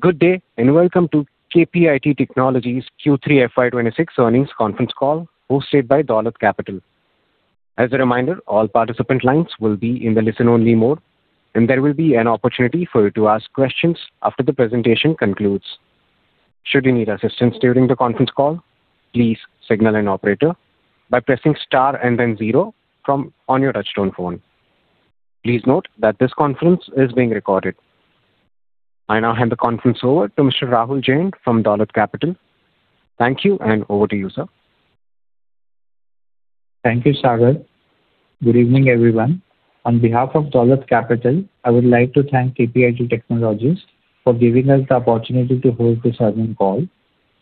Good day, and welcome to KPIT Technologies Q3 FY 2026 Earnings Conference Call, hosted by Dolat Capital. As a reminder, all participant lines will be in the listen-only mode, and there will be an opportunity for you to ask questions after the presentation concludes. Should you need assistance during the conference call, please signal an operator by pressing star and then zero on your touchtone phone. Please note that this conference is being recorded. I now hand the conference over to Mr. Rahul Jain from Dolat Capital. Thank you, and over to you, sir. Thank you, Sagar. Good evening, everyone. On behalf of Dolat Capital, I would like to thank KPIT Technologies for giving us the opportunity to hold this earnings call.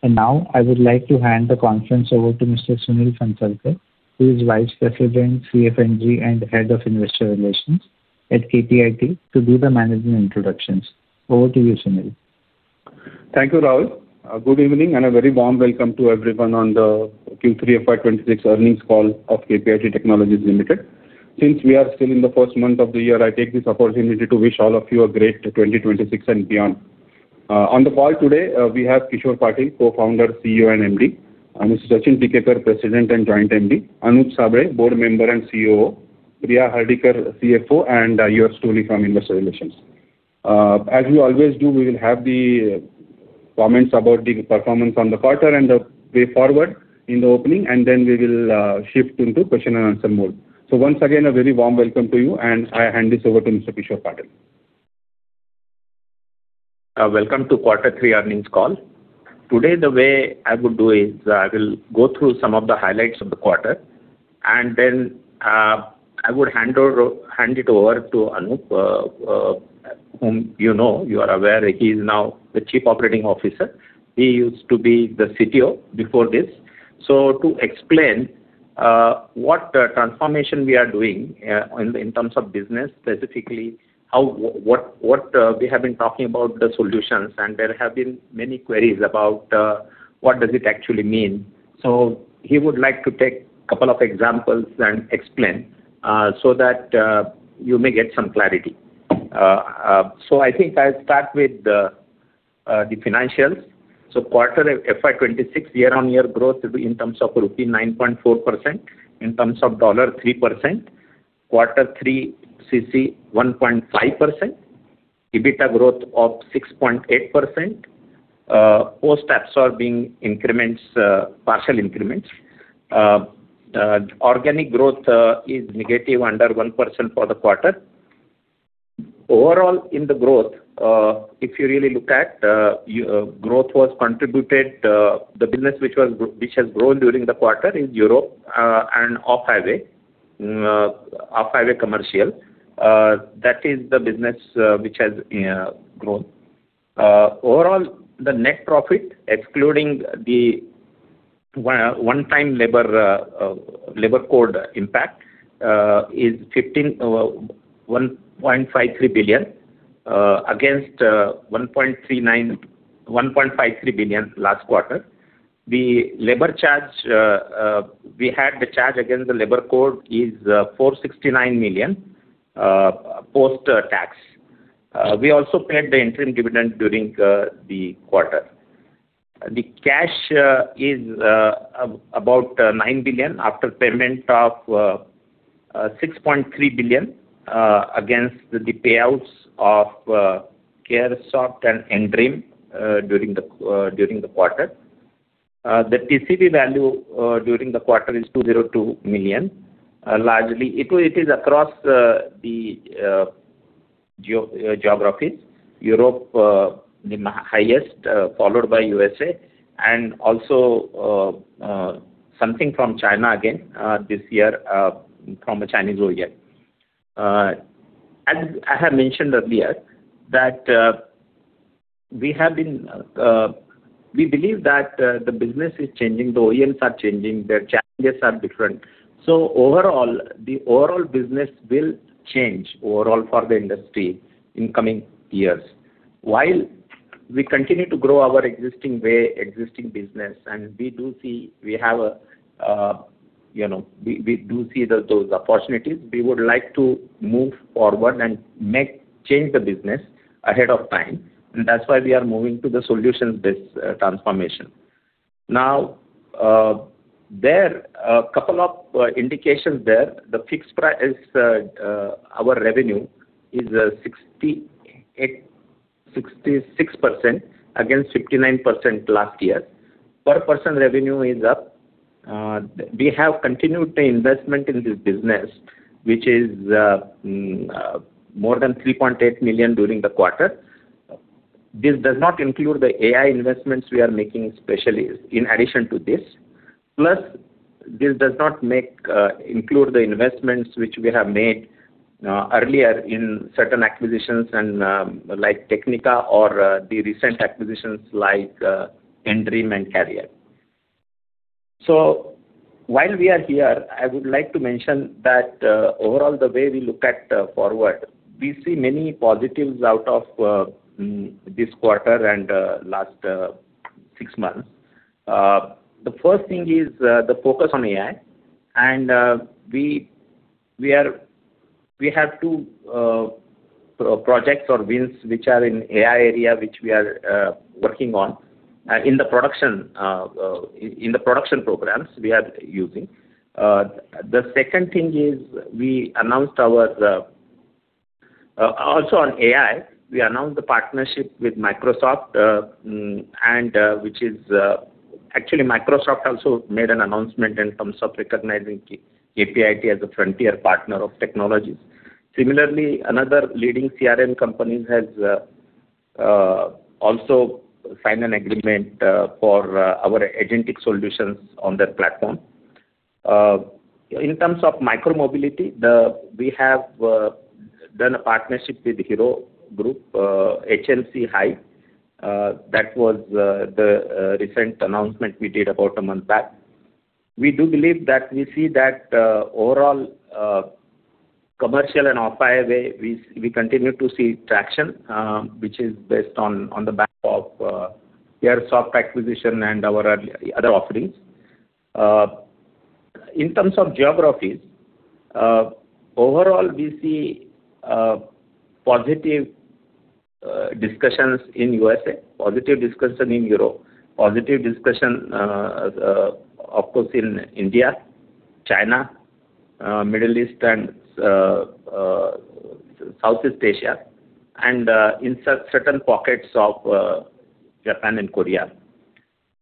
Now I would like to hand the conference over to Mr. Sunil Phansalkar, who is Vice President, CFNG, and Head of Investor Relations at KPIT, to do the management introductions. Over to you, Sunil. Thank you, Rahul. Good evening, and a very warm welcome to everyone on the Q3 FY 2026 Earnings Call of KPIT Technologies Limited. Since we are still in the first month of the year, I take this opportunity to wish all of you a great 2026 and beyond. On the call today, we have Kishore Patil, Co-founder, CEO, and MD, and Mr. Sachin Tikekar, President and Joint MD, Anup Sable, Board Member and COO, Priya Hardikar, CFO, and yours truly from Investor Relations. As we always do, we will have the comments about the performance on the quarter and the way forward in the opening, and then we will shift into question and answer mode. So once again, a very warm welcome to you, and I hand this over to Mr. Kishore Patil. Welcome to quarter three earnings call. Today, the way I would do is, I will go through some of the highlights of the quarter, and then, I would hand it over to Anup, whom you know. You are aware he is now the Chief Operating Officer. He used to be the CTO before this. So to explain what transformation we are doing in terms of business, specifically, how what we have been talking about the solutions, and there have been many queries about what does it actually mean. So he would like to take a couple of examples and explain so that you may get some clarity. So I think I'll start with the financials. So quarter FY 2026, year-on-year growth will be in terms of INR 9.4%, in terms of dollar, 3%. Quarter three CC, 1.5%. EBITDA growth of 6.8%. Post-absorbing increments, partial increments. Organic growth is negative, under 1% for the quarter. Overall, in the growth, if you really look at, growth was contributed, the business which has grown during the quarter is Europe, and off-highway commercial. That is the business which has grown. Overall, the net profit, excluding the one-time Labor Code impact, is 1.53 billion against 1.39 billion last quarter. The labor charge, we had the charge against the Labor Code is 469 million post-tax. We also paid the interim dividend during the quarter. The cash is about 9 billion after payment of 6.3 billion against the payouts of CareSoft and N-Dream during the quarter. The TCV value during the quarter is 202 million. Largely, it is across the geographies. Europe the highest, followed by U.S.A. and also something from China again this year from a Chinese OEM. As I have mentioned earlier, we have been... We believe that the business is changing, the OEMs are changing, the challenges are different. So overall, the overall business will change overall for the industry in coming years. While we continue to grow our existing way, existing business, and we do see we have a, you know, we, we do see the, those opportunities, we would like to move forward and make, change the business ahead of time, and that's why we are moving to the solutions-based, transformation. Now, there are a couple of, indications there. The fixed price is, our revenue is, 66%, against 59% last year. Per person revenue is up. We have continued the investment in this business, which is, more than 3.8 million during the quarter. This does not include the AI investments we are making, especially in addition to this. Plus, this does not include the investments which we have made earlier in certain acquisitions and, like Technica or the recent acquisitions like N-Dream and Care. So while we are here, I would like to mention that, overall, the way we look forward, we see many positives out of this quarter and last six months. The first thing is the focus on AI, and we have two projects or wins, which are in AI area, which we are working on in the production programs we are using. The second thing is, also on AI, we announced the partnership with Microsoft, and which is. Actually, Microsoft also made an announcement in terms of recognizing KPIT as a frontier partner of technologies. Similarly, another leading CRM company has also signed an agreement for our agentic solutions on their platform. In terms of micro-mobility, we have done a partnership with Hero Group, HMC Hive. That was the recent announcement we did about a month back. We do believe that we see that overall, commercial and off-highway, we continue to see traction, which is based on the back of CareSoft acquisition and our other offerings. In terms of geographies, overall, we see positive discussions in U.S.A., positive discussion in Europe, positive discussion, of course, in India, China, Middle East, and Southeast Asia, and in certain pockets of Japan and Korea.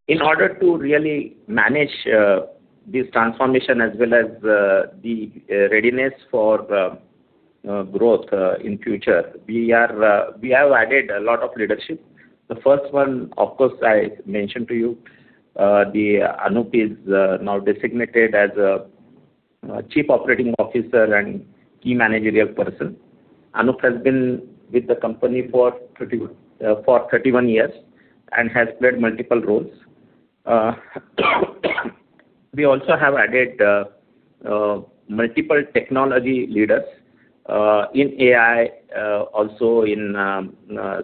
In order to really manage this transformation as well as the readiness for the growth in future, we have added a lot of leadership. The first one, of course, I mentioned to you, the Anup is now designated as Chief Operating Officer and key managerial person. Anup has been with the company for 31 years and has played multiple roles. We also have added multiple technology leaders in AI, also in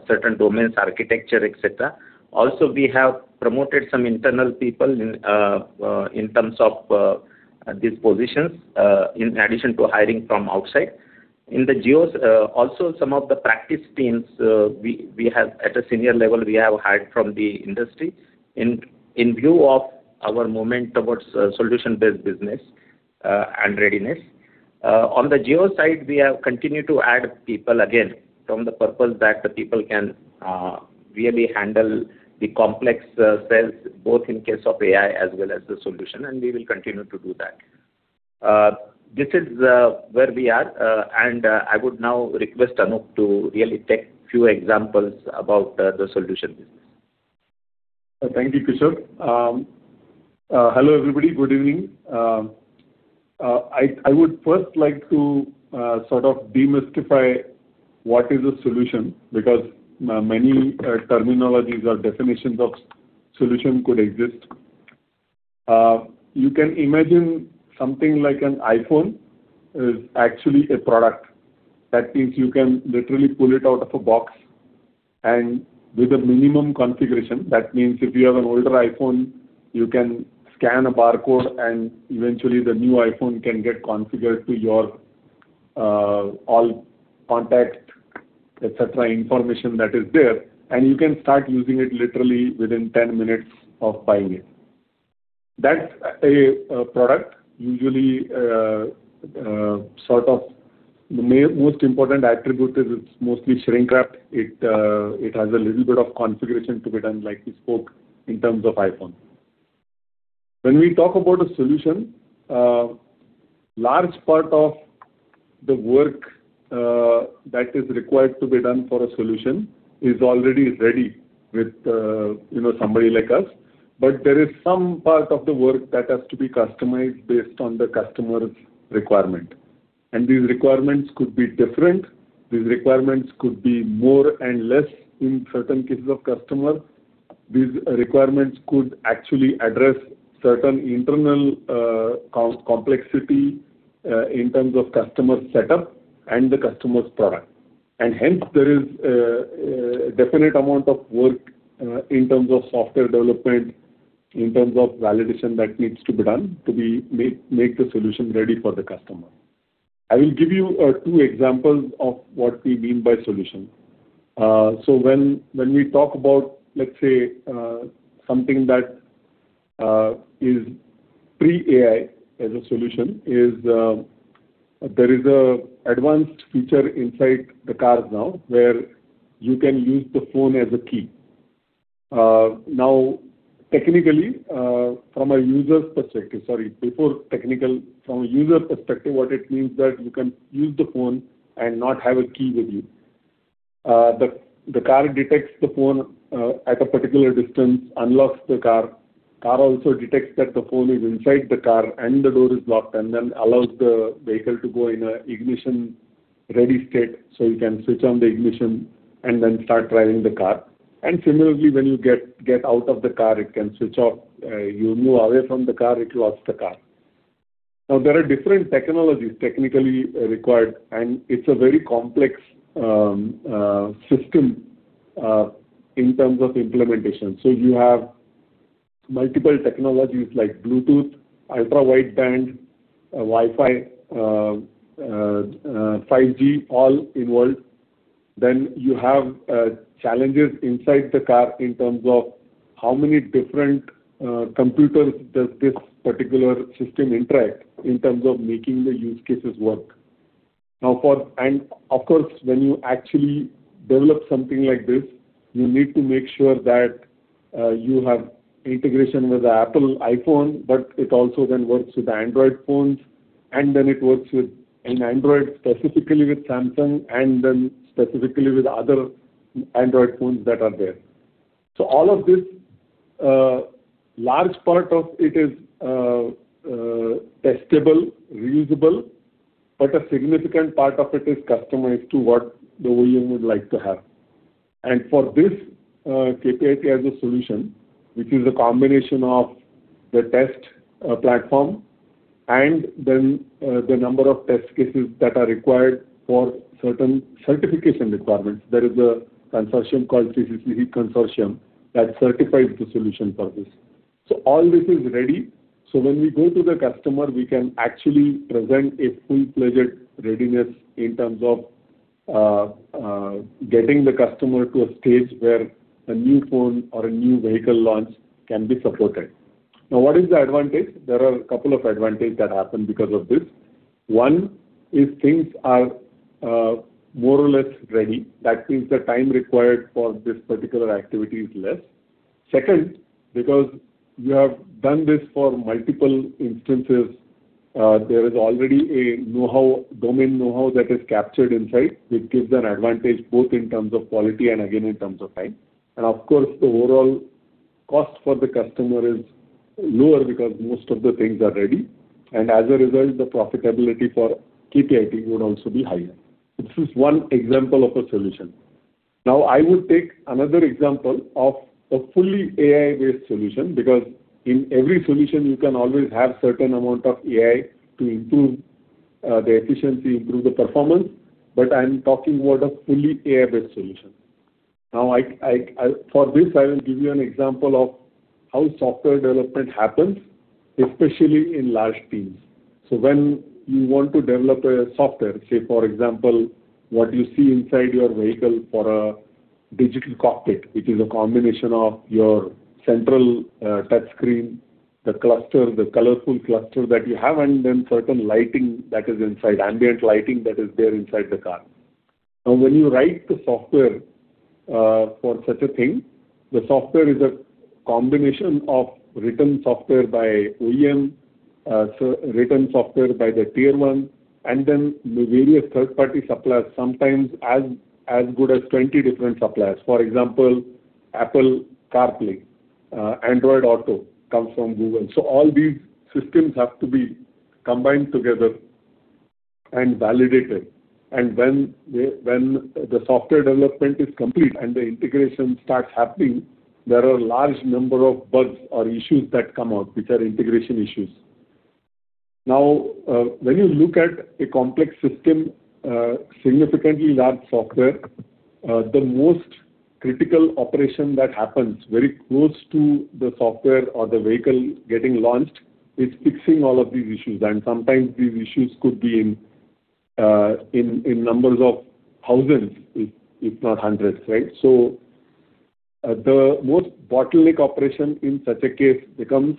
certain domains, architecture, et cetera. Also, we have promoted some internal people in, in terms of, these positions, in addition to hiring from outside. In the geos, also some of the practice teams, we have at a senior level, we have hired from the industry. In view of our moment towards, solution-based business, and readiness, on the geo side, we have continued to add people again, from the purpose that the people can, really handle the complex, sales, both in case of AI as well as the solution, and we will continue to do that. This is where we are, and I would now request Anup to really take a few examples about the solution business. Thank you, Kishore. Hello, everybody. Good evening. I would first like to sort of demystify what is a solution, because many terminologies or definitions of solution could exist. You can imagine something like an iPhone is actually a product. That means you can literally pull it out of a box, and with a minimum configuration, that means if you have an older iPhone, you can scan a barcode, and eventually, the new iPhone can get configured to your all contact, et cetera, information that is there, and you can start using it literally within 10 minutes of buying it. That's a product usually, sort of most important attribute is it's mostly shrink-wrapped. It has a little bit of configuration to be done, like we spoke in terms of iPhone. When we talk about a solution, large part of the work that is required to be done for a solution is already ready with, you know, somebody like us. But there is some part of the work that has to be customized based on the customer's requirement. And these requirements could be different. These requirements could be more and less in certain cases of customer. These requirements could actually address certain internal complexity in terms of customer setup and the customer's product. And hence, there is a definite amount of work in terms of software development, in terms of validation that needs to be done to make the solution ready for the customer. I will give you 2 examples of what we mean by solution. So when we talk about, let's say, something that is pre-AI as a solution, there is an advanced feature inside the cars now, where you can use the phone as a key. Now, technically, from a user's perspective... Sorry, before technical, from a user perspective, what it means is that you can use the phone and not have a key with you. The car detects the phone at a particular distance, unlocks the car. The car also detects that the phone is inside the car and the door is locked, and then allows the vehicle to go in an ignition-ready state, so you can switch on the ignition and then start driving the car. And similarly, when you get out of the car, it can switch off. You move away from the car, it locks the car. Now, there are different technologies technically required, and it's a very complex system in terms of implementation. So you have multiple technologies like Bluetooth, ultra-wideband, Wi-Fi, 5G, all involved. Then you have challenges inside the car in terms of how many different computers does this particular system interact in terms of making the use cases work? Now, and of course, when you actually develop something like this, you need to make sure that you have integration with the Apple iPhone, but it also then works with the Android phones, and then it works with an Android, specifically with Samsung, and then specifically with other Android phones that are there. So all of this, large part of it is, testable, reU.S.A.ble, but a significant part of it is customized to what the OEM would like to have. And for this, KPIT has a solution, which is a combination of the test platform and then the number of test cases that are required for certain certification requirements. There is a consortium called the CCC Consortium that certifies the solution for this. So all this is ready. So when we go to the customer, we can actually present a full-fledged readiness in terms of getting the customer to a stage where a new phone or a new vehicle launch can be supported. Now, what is the advantage? There are a couple of advantage that happen because of this. One, if things are, more or less ready, that means the time required for this particular activity is less. Second, because you have done this for multiple instances, there is already a know-how, domain know-how, that is captured inside, which gives an advantage both in terms of quality and again, in terms of time. And of course, the overall cost for the customer is lower because most of the things are ready, and as a result, the profitability for KPIT would also be higher. This is one example of a solution. Now, I would take another example of a fully AI-based solution, because in every solution you can always have certain amount of AI to improve, the efficiency, improve the performance, but I'm talking about a fully AI-based solution. Now, for this, I will give you an example of how software development happens, especially in large teams. So when you want to develop a software, say, for example, what you see inside your vehicle for a Digital Cockpit, which is a combination of your central touch screen, the cluster, the colorful cluster that you have, and then certain lighting that is inside, ambient lighting that is there inside the car. Now, when you write the software for such a thing, the software is a combination of written software by OEM, so written software by the Tier 1, and then the various third-party suppliers, sometimes as good as 20 different suppliers. For example, Apple CarPlay, Android Auto comes from Google. So all these systems have to be combined together and validated. When the software development is complete and the integration starts happening, there are a large number of bugs or issues that come out, which are integration issues. Now, when you look at a complex system, significantly large software, the most critical operation that happens very close to the software or the vehicle getting launched is fixing all of these issues. Sometimes these issues could be in numbers of thoU.S.A.nds, if not hundreds, right? The most bottleneck operation in such a case becomes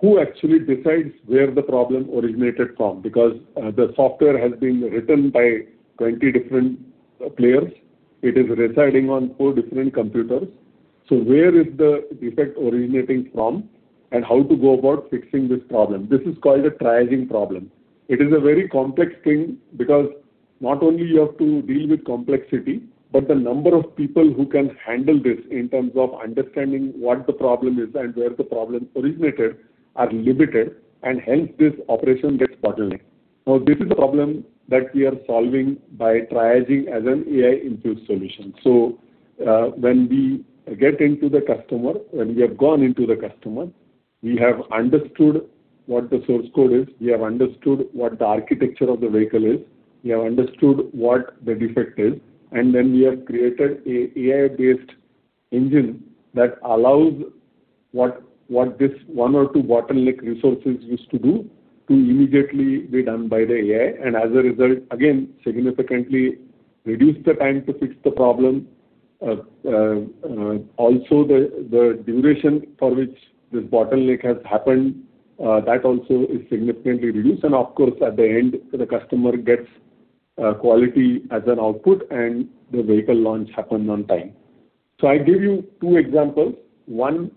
who actually decides where the problem originated from, because the software has been written by 20 different players. It is residing on 4 different computers. So where is the defect originating from, and how to go about fixing this problem? This is called a triaging problem. It is a very complex thing because not only you have to deal with complexity, but the number of people who can handle this in terms of understanding what the problem is and where the problem originated, are limited, and hence this operation gets bottlenecked. Now, this is a problem that we are solving by triaging as an AI-infused solution. So, when we get into the customer, when we have gone into the customer, we have understood what the source code is, we have understood what the architecture of the vehicle is, we have understood what the defect is, and then we have created an AI-based engine that allows what this one or two bottleneck resources used to do, to immediately be done by the AI. And as a result, again, significantly reduce the time to fix the problem. Also, the duration for which this bottleneck has happened, that also is significantly reduced. And of course, at the end, the customer gets quality as an output, and the vehicle launch happen on time. So I gave you two examples, one,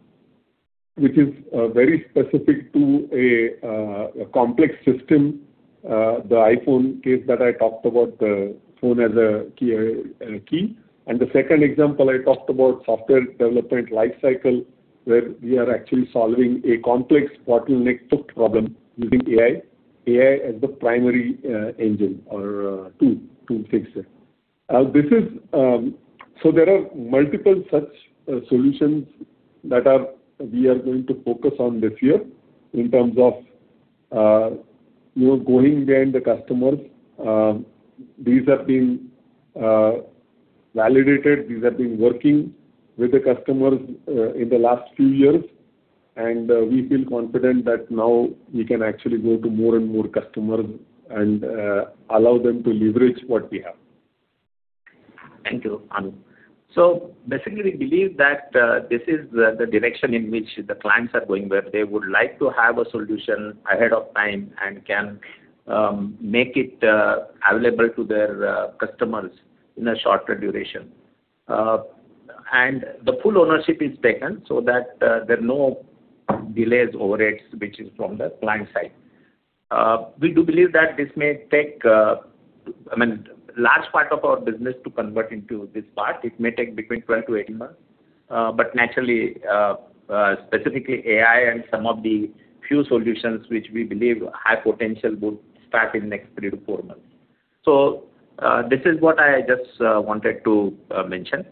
which is very specific to a complex system, the iPhone case that I talked about, the phone as a key, key. And the second example, I talked about software development lifecycle, where we are actually solving a complex bottleneck took problem using AI, AI as the primary engine or tool, to fix it. This is. So there are multiple such solutions that we are going to focus on this year in terms of, you know, going behind the customers. These are being validated. These have been working with the customers in the last few years, and we feel confident that now we can actually go to more and more customers and allow them to leverage what we have. Thank you, Anup. So basically, we believe that this is the direction in which the clients are going, where they would like to have a solution ahead of time and can make it available to their customers in a shorter duration. And the full ownership is taken so that there are no delays, overheads, which is from the client side. We do believe that this may take, I mean, large part of our business to convert into this part. It may take between 12-18 months. But naturally, specifically, AI and some of the few solutions which we believe have potential, would start in the next three to four months. So, this is what I just wanted to mention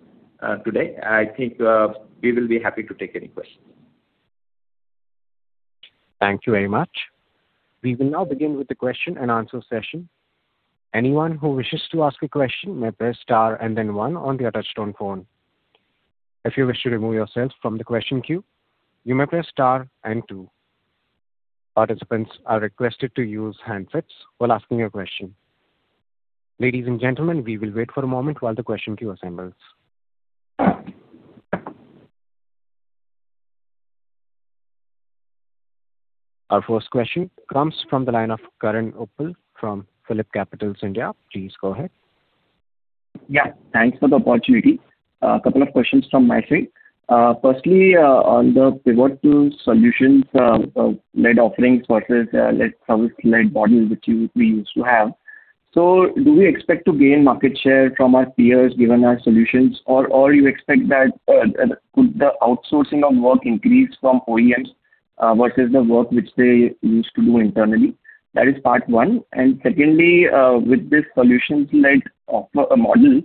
today. I think we will be happy to take any questions. Thank you very much. We will now begin with the question and answer session. Anyone who wishes to ask a question may press star and then one on the attached phone. If you wish to remove yourself from the question queue, you may press star and two. Participants are requested to use handsets while asking a question. Ladies and gentlemen, we will wait for a moment while the question queue assembles. Our first question comes from the line of Karan Uppal from PhillipCapital. Please go ahead. Yeah, thanks for the opportunity. A couple of questions from my side. Firstly, on the pivot to solutions-led offerings versus pure service-led model, which we used to have. So do we expect to gain market share from our peers, given our solutions? Or you expect that could the outsourcing of work increase from OEMs versus the work which they used to do internally? That is part one. And secondly, with this solutions-led offering model,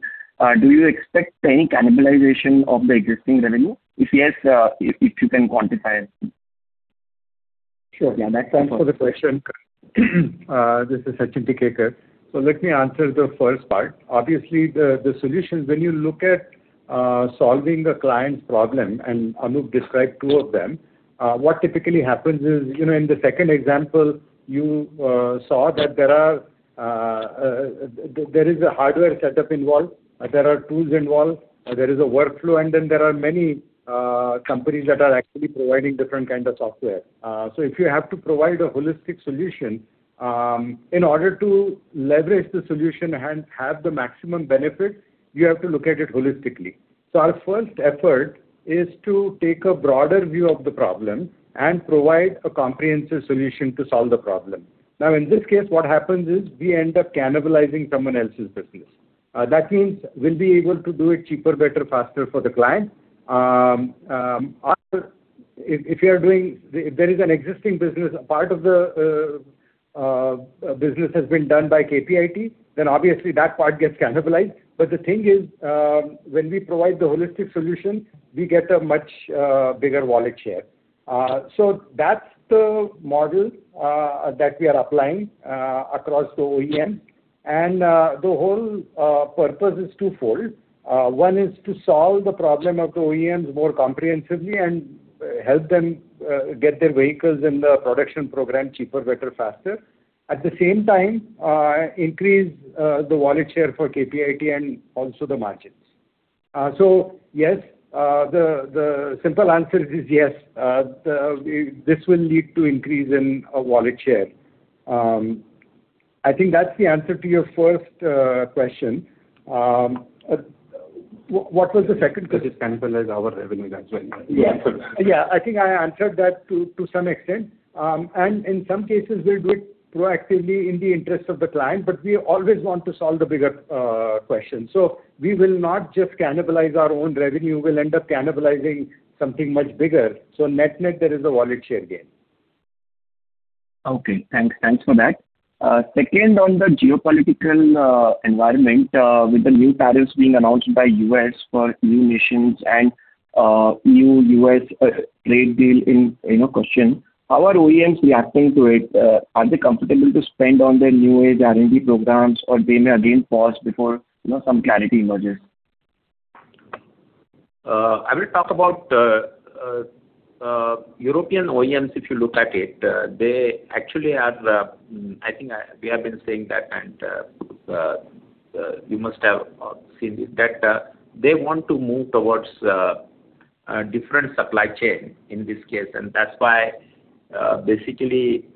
do you expect any cannibalization of the existing revenue? If yes, if you can quantify it. Sure. Yeah, thanks for the question. This is Sachin Tikekar. So let me answer the first part. Obviously, the solutions, when you look at solving a client's problem, and Anup described two of them, what typically happens is, you know, in the second example, you saw that there is a hardware setup involved, there are tools involved, there is a workflow, and then there are many companies that are actually providing different kind of software. So if you have to provide a holistic solution, in order to leverage the solution and have the maximum benefit, you have to look at it holistically. So our first effort is to take a broader view of the problem and provide a comprehensive solution to solve the problem. Now, in this case, what happens is we end up cannibalizing someone else's business. That means we'll be able to do it cheaper, better, faster for the client. If there is an existing business, part of the business has been done by KPIT, then obviously that part gets cannibalized. But the thing is, when we provide the holistic solution, we get a much bigger wallet share. So that's the model that we are applying across the OEM. And the whole purpose is twofold. One is to solve the problem of the OEMs more comprehensively and help them get their vehicles in the production program cheaper, better, faster. At the same time, increase the wallet share for KPIT and also the margins. So yes, the simple answer is yes. This will lead to increase in wallet share. I think that's the answer to your first question. What was the second question? Does it cannibalize our revenue as well? Yes. Yeah, I think I answered that to some extent. In some cases, we'll do it proactively in the interest of the client, but we always want to solve the bigger question. So we will not just cannibalize our own revenue, we'll end up cannibalizing something much bigger. So net-net, there is a wallet share gain. Okay, thanks. Thanks for that. Second, on the geopolitical environment, with the new tariffs being announced by U.S. for new nations and new U.S. trade deal in question, how are OEMs reacting to it? Are they comfortable to spend on their new age R&D programs, or they may again pause before, you know, some clarity emerges? I will talk about European OEMs. If you look at it, they actually are, I think, we have been saying that, and you must have seen it, that they want to move towards a different supply chain in this case. And that's why, basically,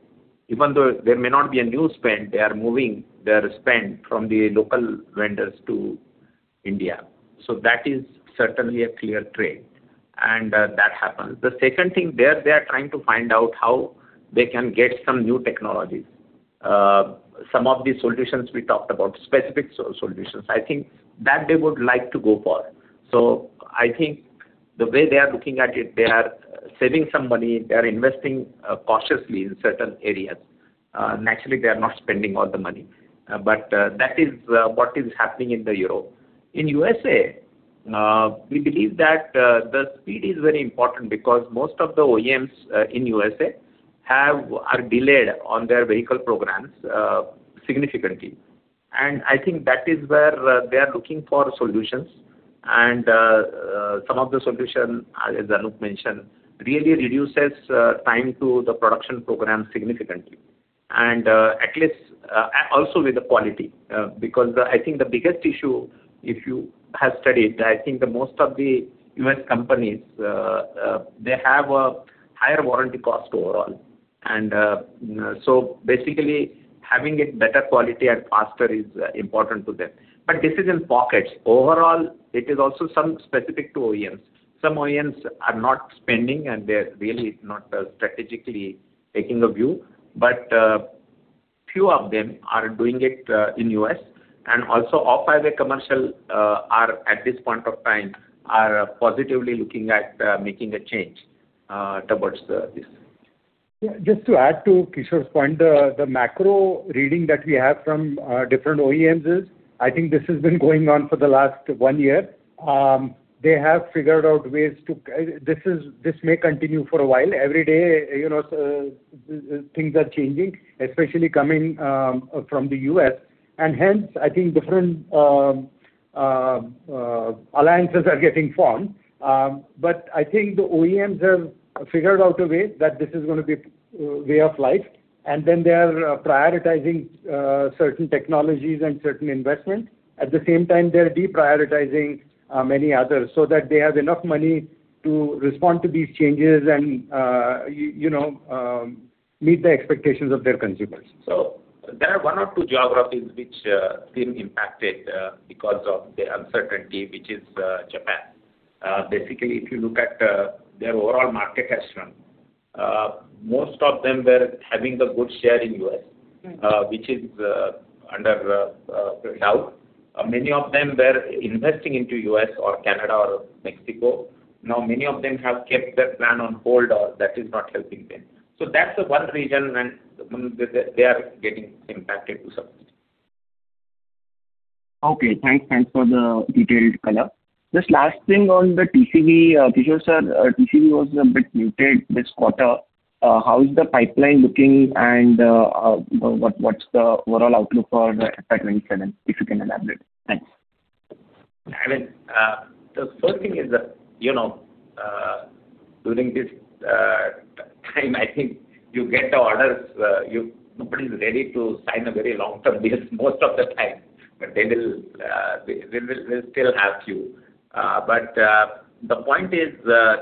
even though there may not be a new spend, they are moving their spend from the local vendors to India. So that is certainly a clear trend, and that happens. The second thing, there they are trying to find out how they can get some new technologies. Some of the solutions we talked about, specific solutions, I think that they would like to go for. So I think the way they are looking at it, they are saving some money, they are investing cautiously in certain areas. Naturally, they are not spending all the money. But that is what is happening in Europe. In the U.S.A.- ... we believe that, the speed is very important because most of the OEMs in U.S.A. are delayed on their vehicle programs significantly. And I think that is where they are looking for solutions. And, some of the solution, as Anup mentioned, really reduces time to the production program significantly. And, at least, also with the quality, because I think the biggest issue, if you have studied, I think the most of the U.S. companies, they have a higher warranty cost overall. And, so basically, having it better quality and faster is important to them. But this is in pockets. Overall, it is also some specific to OEMs. Some OEMs are not spending, and they're really not strategically taking a view. Few of them are doing it in US, and also off-highway commercial, at this point of time, are positively looking at making a change towards the this. Yeah, just to add to Kishore's point, the macro reading that we have from different OEMs is, I think this has been going on for the last one year. They have figured out ways to. This may continue for a while. Every day, you know, things are changing, especially coming from the US. And hence, I think different alliances are getting formed. But I think the OEMs have figured out a way that this is gonna be way of life, and then they are prioritizing certain technologies and certain investments. At the same time, they're deprioritizing many others, so that they have enough money to respond to these changes and, you know, meet the expectations of their consumers. So there are one or two geographies which been impacted because of the uncertainty, which is Japan. Basically, if you look at their overall market has shrunk. Most of them were having the good share in US- Mm. which is under doubt. Many of them were investing into U.S. or Canada or Mexico. Now, many of them have kept their plan on hold, or that is not helping them. So that's the one region when they are getting impacted also. Okay, thanks. Thanks for the detailed color. Just last thing on the TCV. Kishore sir, TCV was a bit muted this quarter. How is the pipeline looking, and, what, what's the overall outlook for the FY 27, if you can elaborate? Thanks. I mean, the first thing is that, you know, during this time, I think you get the orders, you-- nobody is ready to sign a very long-term deal most of the time, but they will, they will still ask you. But, the point is,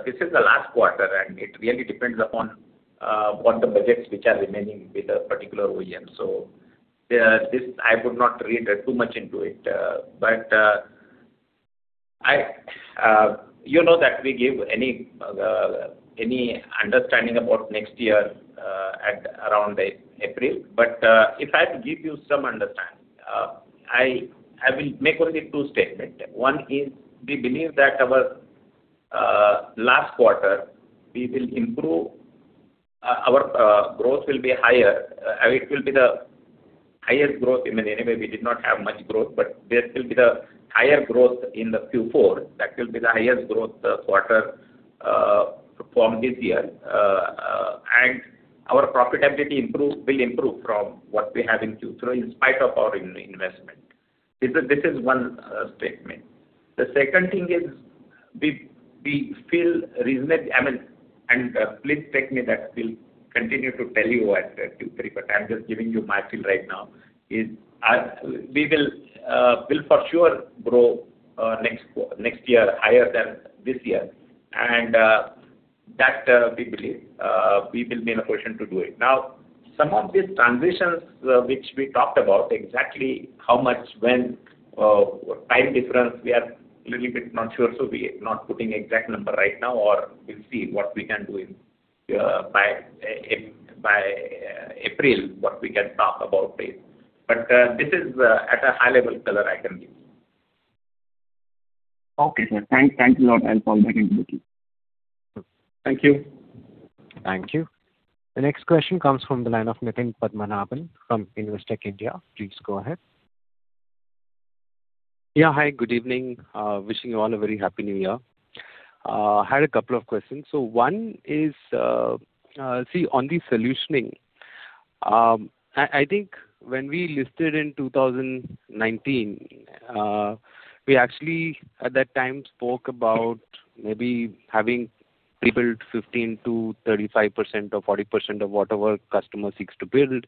this is the last quarter, and it really depends upon what the budgets which are remaining with a particular OEM. So, this, I would not read too much into it. But, I... You know that we give any any understanding about next year, at around April. But, if I have to give you some understanding, I, I will make only two statement. One is, we believe that our last quarter, we will improve our growth will be higher. It will be the highest growth. I mean, anyway, we did not have much growth, but there still be the higher growth in the Q4. That will be the highest growth quarter performed this year. And our profitability will improve from what we have in Q3, in spite of our investment. This is, this is one statement. The second thing is, we feel reason that... I mean, and please take me that will continue to tell you at two, three, but I'm just giving you my feel right now, is as we will will for sure grow next year higher than this year. And that we believe we will be in a position to do it. Now, some of these transitions, which we talked about, exactly how much, when, time difference, we are little bit not sure, so we are not putting exact number right now, or we'll see what we can do in by April, what we can talk about this. But, this is at a high level color I can give you. Okay, sir. Thank you a lot. I'll follow back with you. Thank you. Thank you. The next question comes from the line of Nitin Padmanabhan from Investec India. Please go ahead. Yeah, hi, good evening. Wishing you all a very Happy New Year. I had a couple of questions. So one is, on the solutioning, I think when we listed in 2019, we actually, at that time, spoke about maybe having pre-built 15%-35% or 40% of whatever customer seeks to build,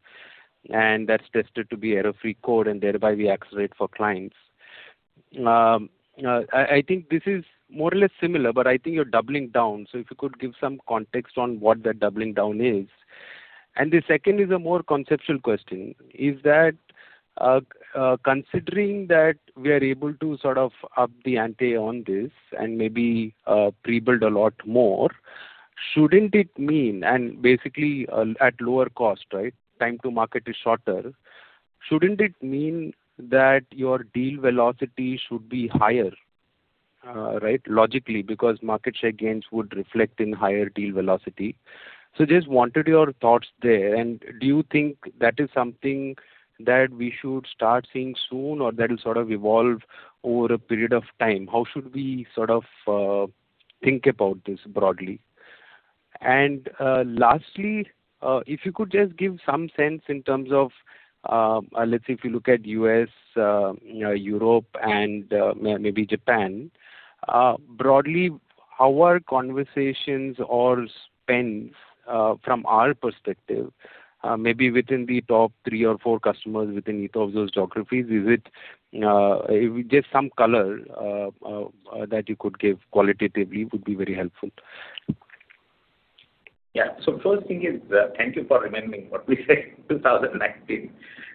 and that's tested to be error-free code, and thereby we accelerate for clients. I think this is more or less similar, but I think you're doubling down. So if you could give some context on what that doubling down is. And the second is a more conceptual question: Is that, considering that we are able to sort of up the ante on this and maybe pre-build a lot more, shouldn't it mean... And basically, at lower cost, right? Time to market is shorter. Shouldn't it mean that your deal velocity should be higher, right? Logically, because market share gains would reflect in higher deal velocity... So just wanted your thoughts there. Do you think that is something that we should start seeing soon, or that will sort of evolve over a period of time? How should we sort of think about this broadly? Lastly, if you could just give some sense in terms of, let's say if you look at U.S., you know, Europe and, maybe Japan, broadly, how are conversations or spends, from our perspective, maybe within the top three or four customers within each of those geographies? Is it... Just some color that you could give qualitatively would be very helpful. Yeah. So first thing is, thank you for reminding what we said in 2019.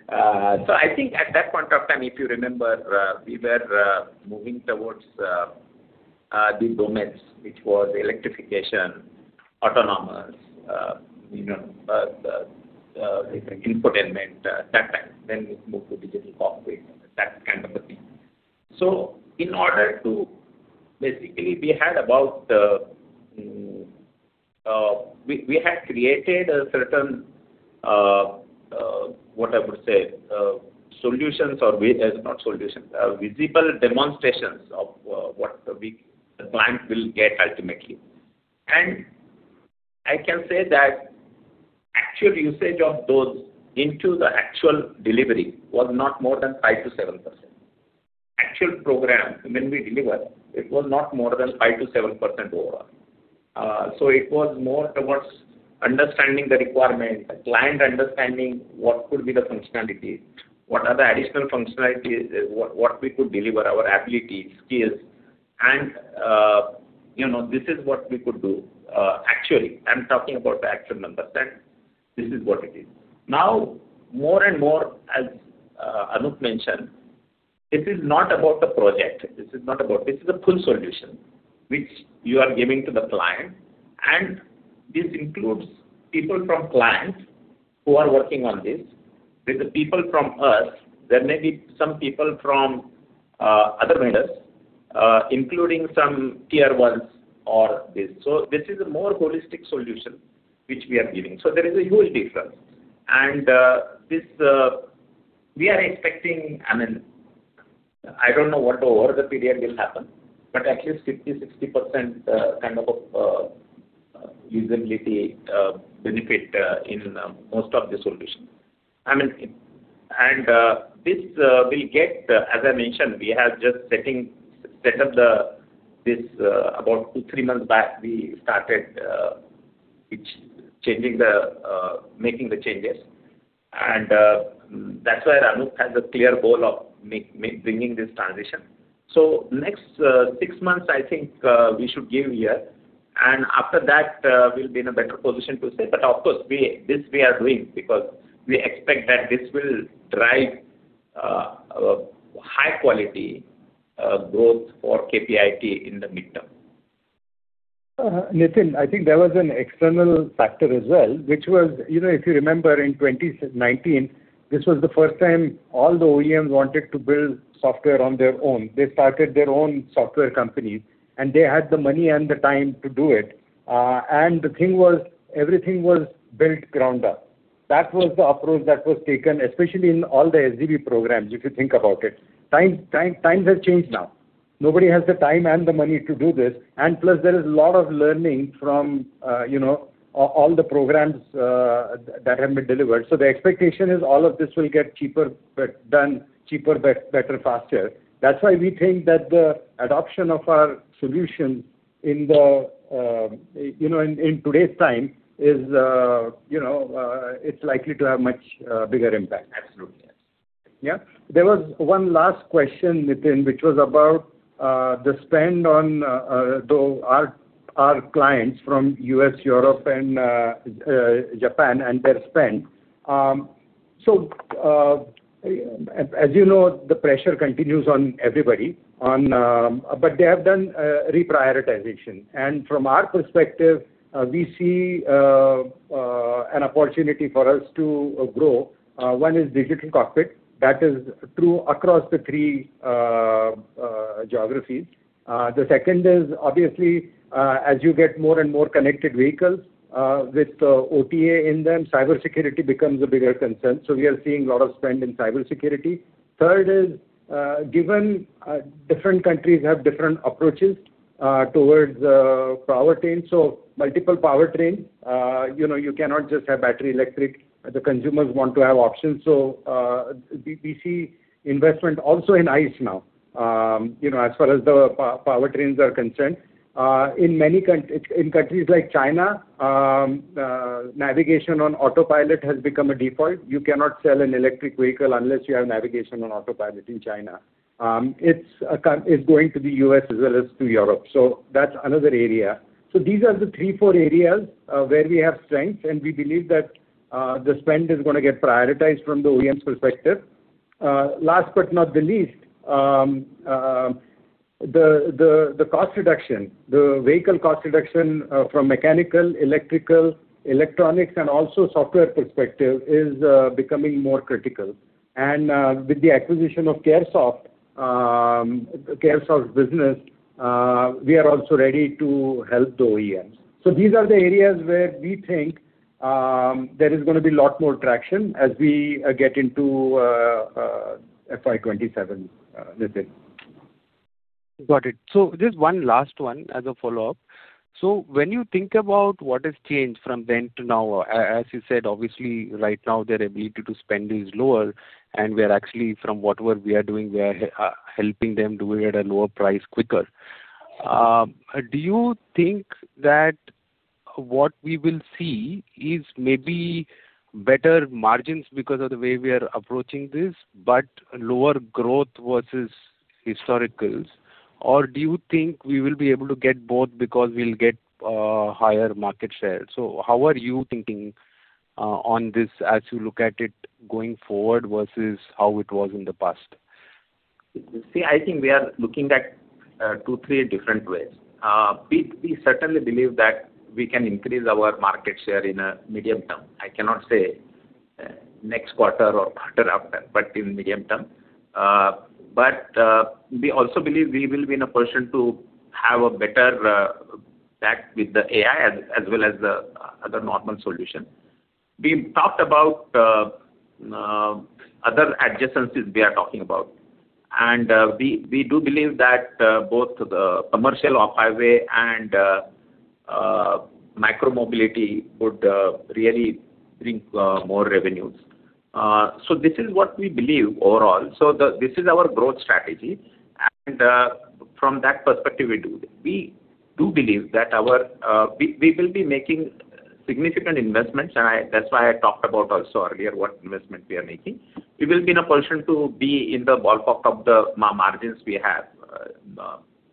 So I think at that point of time, if you remember, we were moving towards the domains, which was electrification, autonomous, you know, the infotainment, that time. Then we moved to digital cockpit, that kind of a thing. So in order to basically, we had about, we had created a certain, what I would say, solutions or ways... Not solutions, visible demonstrations of what we- the client will get ultimately. And I can say that actual U.S.A.ge of those into the actual delivery was not more than 5%-7%. Actual program, when we deliver, it was not more than 5%-7% overall. So it was more towards understanding the requirement, the client understanding what could be the functionality, what are the additional functionalities, what we could deliver, our ability, skills, and, you know, this is what we could do. Actually, I'm talking about the actual numbers, and this is what it is. Now, more and more, as Anup mentioned, this is not about the project, this is not about this is a full solution which you are giving to the client, and this includes people from clients who are working on this, with the people from us. There may be some people from other vendors, including some Tier 1s or this. So this is a more holistic solution which we are giving. So there is a huge difference. And this we are expecting... I mean, I don't know what over the period will happen, but at least 50-60% kind of U.S.A.bility benefit in most of the solutions. I mean, and this will get, as I mentioned, we have just set up this. About two to three months back, we started changing the making the changes. And that's why Anup has a clear goal of making bringing this transition. So next 6 months, I think we should give here, and after that we'll be in a better position to say. But of course, this we are doing because we expect that this will drive high quality growth for KPIT in the midterm. Nitin, I think there was an external factor as well, which was, you know, if you remember in 2019, this was the first time all the OEMs wanted to build software on their own. They started their own software companies, and they had the money and the time to do it. And the thing was, everything was built ground up. That was the approach that was taken, especially in all the SDV programs, if you think about it. Times have changed now. Nobody has the time and the money to do this, and plus, there is a lot of learning from, you know, all the programs that have been delivered. So the expectation is all of this will get cheaper, but done cheaper, better, faster. That's why we think that the adoption of our solution in the, you know, in today's time is, you know, it's likely to have much bigger impact. Absolutely, yes. Yeah. There was one last question, Nitin, which was about the spend on our clients from U.S., Europe, and Japan, and their spend. So, as you know, the pressure continues on everybody. But they have done reprioritization. And from our perspective, we see an opportunity for us to grow. One is Digital Cockpit, that is true across the three geographies. The second is obviously, as you get more and more connected vehicles with OTA in them, cybersecurity becomes a bigger concern. So we are seeing a lot of spend in cybersecurity. Third is, given different countries have different approaches towards powertrain. So multiple powertrain, you know, you cannot just have battery electric. The consumers want to have options. So, we see investment also in ICE now, you know, as far as the powertrains are concerned. In many countries like China, Navigation on Autopilot has become a default. You cannot sell an electric vehicle unless you have Navigation on Autopilot in China. It's going to the U.S. as well as to Europe. So that's another area. So these are the three, four areas, where we have strength, and we believe that, the spend is gonna get prioritized from the OEM's perspective. Last but not the least, the cost reduction, the vehicle cost reduction, from mechanical, electrical, electronics, and also software perspective is becoming more critical. And, with the acquisition of CareSoft, CareSoft's business, we are also ready to help the OEMs. These are the areas where we think-... there is going to be lot more traction as we get into FY 2027, Nitin. Got it. So just one last one as a follow-up. So when you think about what has changed from then to now, as you said, obviously, right now their ability to spend is lower, and we are actually, from what work we are doing, we are helping them do it at a lower price quicker. Do you think that what we will see is maybe better margins because of the way we are approaching this, but lower growth versus historicals? Or do you think we will be able to get both because we'll get higher market share? So how are you thinking on this as you look at it going forward versus how it was in the past? See, I think we are looking at 2, 3 different ways. We certainly believe that we can increase our market share in a medium term. I cannot say next quarter or quarter after, but in medium term. But we also believe we will be in a position to have a better pact with the AI as well as the other normal solution we talked about, other adjacencies we are talking about, and we do believe that both the commercial off-highway and micro-mobility would really bring more revenues. So this is what we believe overall. So the... This is our growth strategy, and from that perspective, we do. We do believe that our, we, we will be making significant investments, and that's why I talked about also earlier, what investment we are making. We will be in a position to be in the ballpark of the margins we have,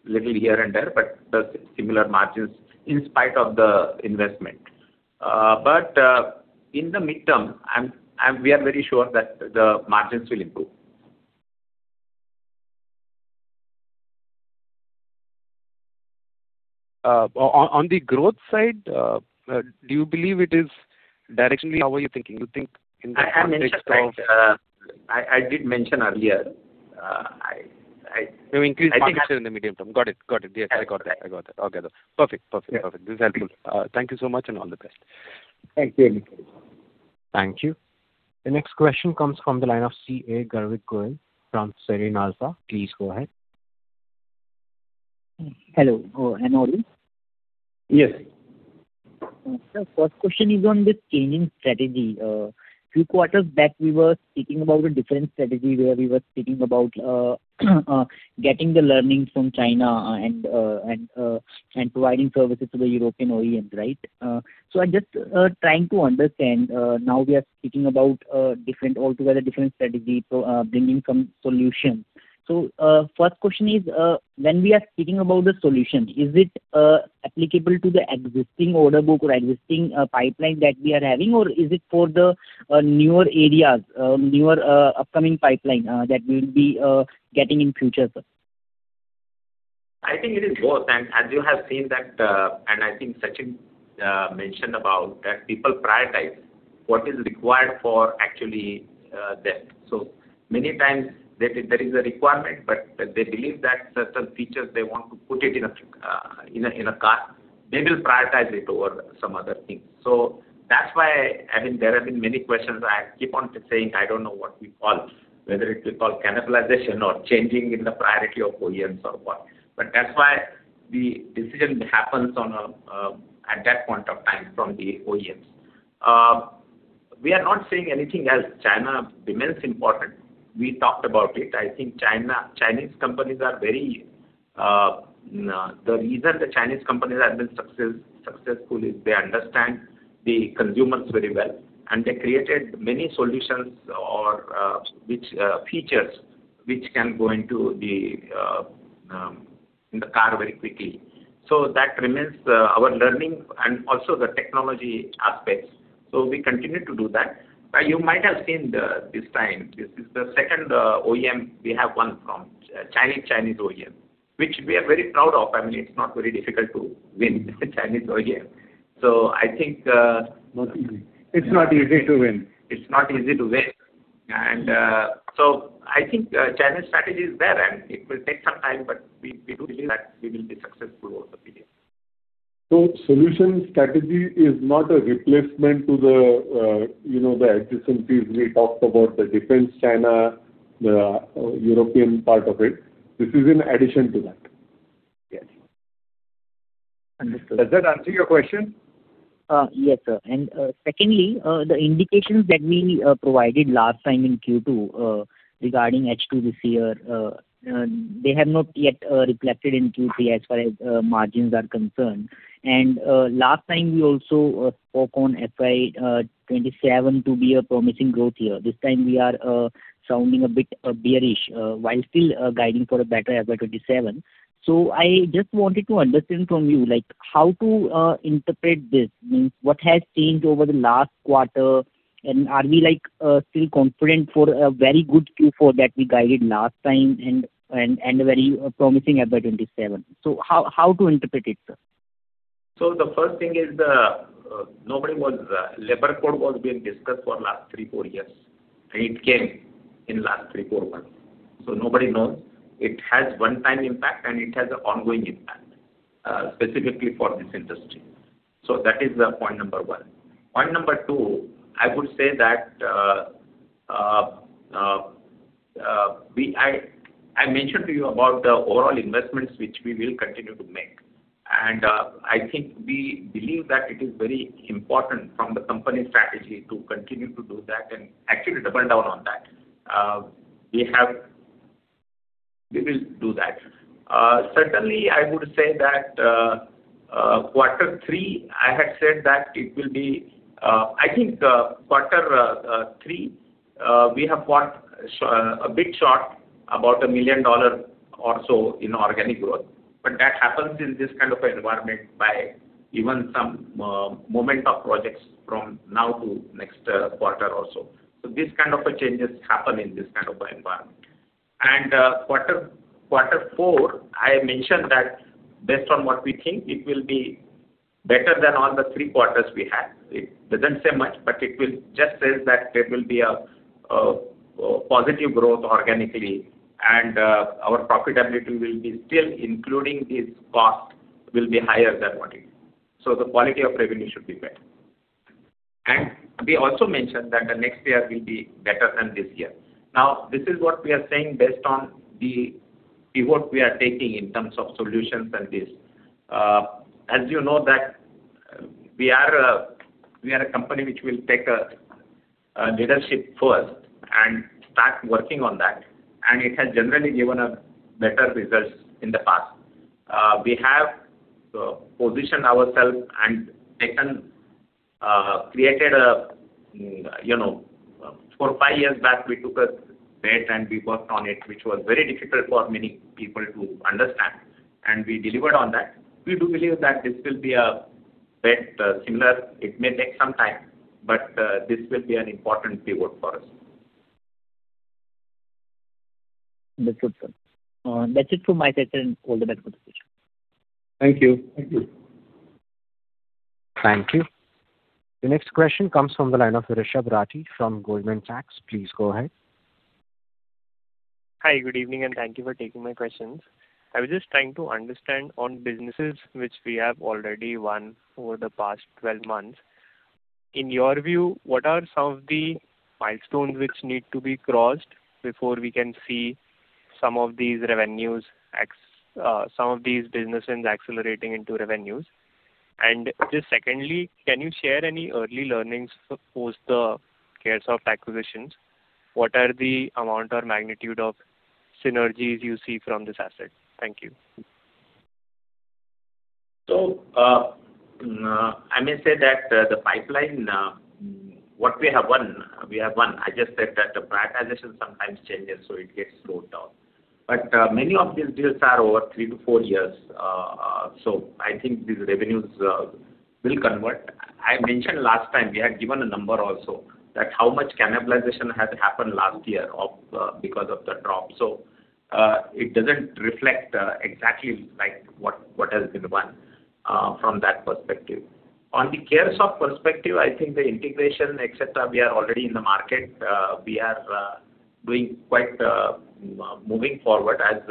little here and there, but the similar margins in spite of the investment. But, in the midterm, I'm, we are very sure that the margins will improve. On the growth side, do you believe it is directionally? How are you thinking? You think in the context of- I mentioned that, I did mention earlier, I- You increase market share in the medium term. Got it. Got it. Yes. Yes, I got that. I got that. Okay, though. Perfect. Perfect, perfect. Yeah. This is helpful. Thank you so much, and all the best. Thank you. Thank you. The next question comes from the line of CA Garvit Goel from Sterling Alpha. Please go ahead. Hello. Anil? Yes. Sir, first question is on the changing strategy. A few quarters back, we were speaking about a different strategy, where we were speaking about getting the learnings from China and providing services to the European OEMs, right? So I'm just trying to understand, now we are speaking about different, altogether different strategy, so bringing some solutions. So first question is, when we are speaking about the solution, is it applicable to the existing order book or existing pipeline that we are having, or is it for the newer areas, newer upcoming pipeline that we will be getting in future, sir? I think it is both, and as you have seen that, and I think Sachin mentioned about that people prioritize what is required for actually them. So many times there is, there is a requirement, but they believe that certain features they want to put it in a car, they will prioritize it over some other things. So that's why, I mean, there have been many questions. I keep on saying I don't know what we call, whether it is called cannibalization or changing in the priority of OEMs or what. But that's why the decision happens on a, at that point of time from the OEMs. We are not saying anything else. China remains important. We talked about it. I think China - Chinese companies are very. The reason the Chinese companies have been success, successful is they understand the consumers very well, and they created many solutions or, which, features, which can go into the, in the car very quickly. So that remains, our learning and also the technology aspects, so we continue to do that. You might have seen the, this time, this is the second, OEM we have won from, Chinese, Chinese OEM, which we are very proud of. I mean, it's not very difficult to win a Chinese OEM. So I think, Not easy. It's not easy to win. It's not easy to win. And, so I think, Chinese strategy is there, and it will take some time, but we, we do believe that we will be successful over the period. So solution strategy is not a replacement to the, you know, the adjacencies we talked about, the defense, China, the European part of it. This is in addition to that? Yes. Understood. Does that answer your question? Yes, sir. Secondly, the indications that we provided last time in Q2 regarding H2 this year, they have not yet reflected in Q3 as far as margins are concerned. Last time we also spoke on FY 2027 to be a promising growth year. This time we are sounding a bit bearish while still guiding for a better FY 2027. So I just wanted to understand from you, like, how to interpret this. Means, what has changed over the last quarter, and are we, like, still confident for a very good Q4 that we guided last time and a very promising FY 2027? So how to interpret it, sir? So the first thing is, nobody was, Labor Code was being discussed for last three to four years, and it came in last three to four months... So nobody knows. It has one-time impact, and it has an ongoing impact, specifically for this industry. So that is the point number 1. Point number 2, I would say that, I mentioned to you about the overall investments which we will continue to make. And, I think we believe that it is very important from the company's strategy to continue to do that and actually double down on that. We have we will do that. Certainly, I would say that, quarter three, I had said that it will be... I think, quarter three, we have got a bit short, about $1 million or so in organic growth. But that happens in this kind of environment by even some movement of projects from now to next quarter or so. So these kind of changes happen in this kind of environment. And quarter four, I mentioned that based on what we think, it will be better than all the three quarters we had. It doesn't say much, but it will just says that there will be a positive growth organically, and our profitability will be still, including this cost, will be higher than what it is. So the quality of revenue should be better. And we also mentioned that the next year will be better than this year. Now, this is what we are saying based on the pivot we are taking in terms of solutions and this. As you know that we are a company which will take a leadership first and start working on that, and it has generally given us better results in the past. We have positioned ourselves and taken created a, you know, 4, 5 years back, we took a bet and we worked on it, which was very difficult for many people to understand, and we delivered on that. We do believe that this will be a bet similar. It may take some time, but this will be an important pivot for us. That's good, sir. That's it for my session. All the best for the session. Thank you. Thank you. Thank you. The next question comes from the line of Rishabh Rathi from Goldman Sachs. Please go ahead. Hi, good evening, and thank you for taking my questions. I was just trying to understand on businesses which we have already won over the past 12 months. In your view, what are some of the milestones which need to be crossed before we can see some of these revenues, some of these businesses accelerating into revenues? And just secondly, can you share any early learnings post the CareSoft acquisitions? What are the amount or magnitude of synergies you see from this asset? Thank you. So, I may say that, the pipeline, what we have won, we have won. I just said that the prioritization sometimes changes, so it gets slowed down. But, many of these deals are over three to four years, so I think these revenues, will convert. I mentioned last time, we had given a number also, that how much cannibalization has happened last year of, because of the drop. So, it doesn't reflect, exactly like what, what has been won, from that perspective. On the CareSoft perspective, I think the integration, et cetera, we are already in the market. We are, doing quite, moving forward, as,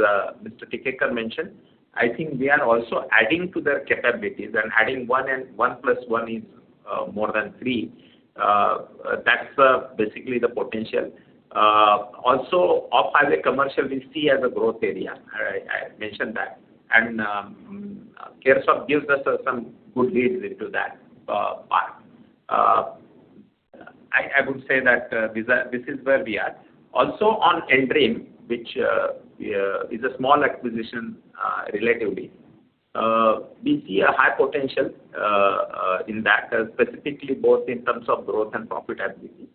Mr. Tikekar mentioned. I think we are also adding to their capabilities and adding one and one plus one is, more than three. That's basically the potential. Also, off-highway commercial we see as a growth area. I mentioned that. CareSoft gives us some good leads into that path. I would say that this is where we are. Also, on N-Dream, which is a small acquisition, relatively, we see a high potential in that, specifically both in terms of growth and profitability.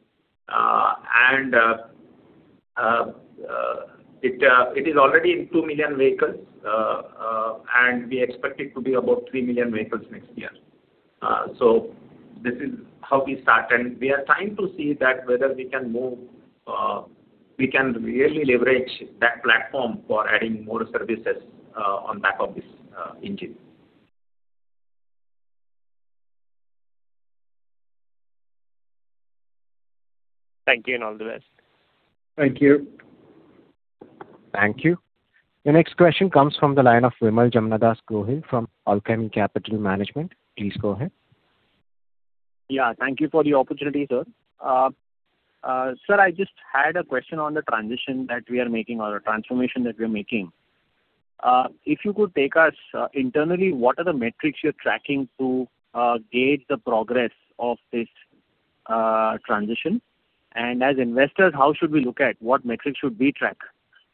It is already in 2 million vehicles, and we expect it to be about 3 million vehicles next year. So this is how we start, and we are trying to see whether we can move, we can really leverage that platform for adding more services on back of this engine. Thank you, and all the best. Thank you. Thank you. The next question comes from the line of Vimal Jamnadas Gohil from Alchemy Capital Management. Please go ahead. Yeah, thank you for the opportunity, sir. Sir, I just had a question on the transition that we are making or the transformation that we are making. If you could take us internally, what are the metrics you're tracking to gauge the progress of this transition? And as investors, how should we look at what metrics should we track,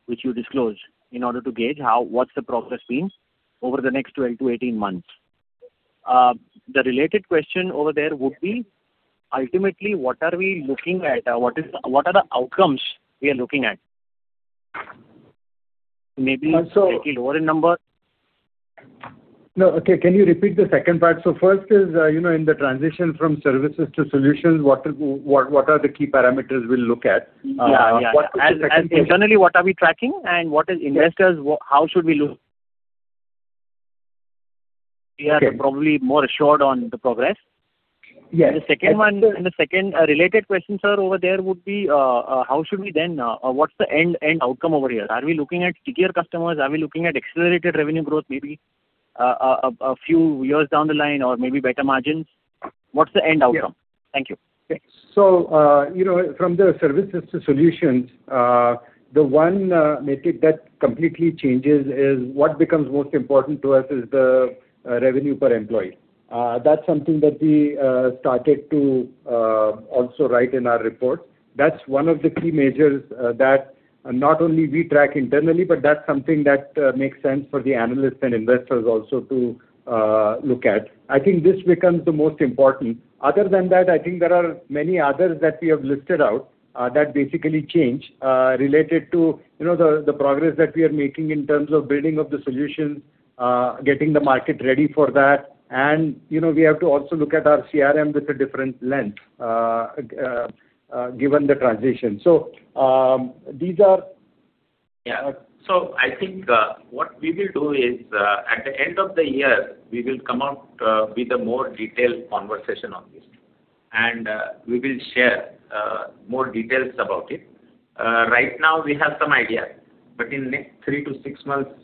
which you disclose, in order to gauge how—what's the progress been over the next 12-18 months? The related question over there would be, ultimately, what are we looking at? What is the—what are the outcomes we are looking at? Maybe slightly lower in number. No. Okay, can you repeat the second part? So first is, you know, in the transition from services to solutions, what are, what, what are the key parameters we'll look at? Yeah, yeah. What- And internally, what are we tracking? And what is investors, how should we look at?... We are probably more assured on the progress? Yes. And the second related question, sir, over there would be, how should we then, what's the end outcome over here? Are we looking at stickier customers? Are we looking at accelerated revenue growth, maybe a few years down the line or maybe better margins? What's the end outcome? Yeah. Thank you. So, you know, from the services to solutions, the one metric that completely changes is what becomes most important to us is the revenue per employee. That's something that we started to also write in our report. That's one of the key measures that not only we track internally, but that's something that makes sense for the analysts and investors also to look at. I think this becomes the most important. Other than that, I think there are many others that we have listed out that basically change related to, you know, the progress that we are making in terms of building of the solutions, getting the market ready for that. And, you know, we have to also look at our CRM with a different lens given the transition. So, these are- Yeah. So I think, what we will do is, at the end of the year, we will come out, with a more detailed conversation on this, and, we will share, more details about it. Right now, we have some idea, but in the next three to six months,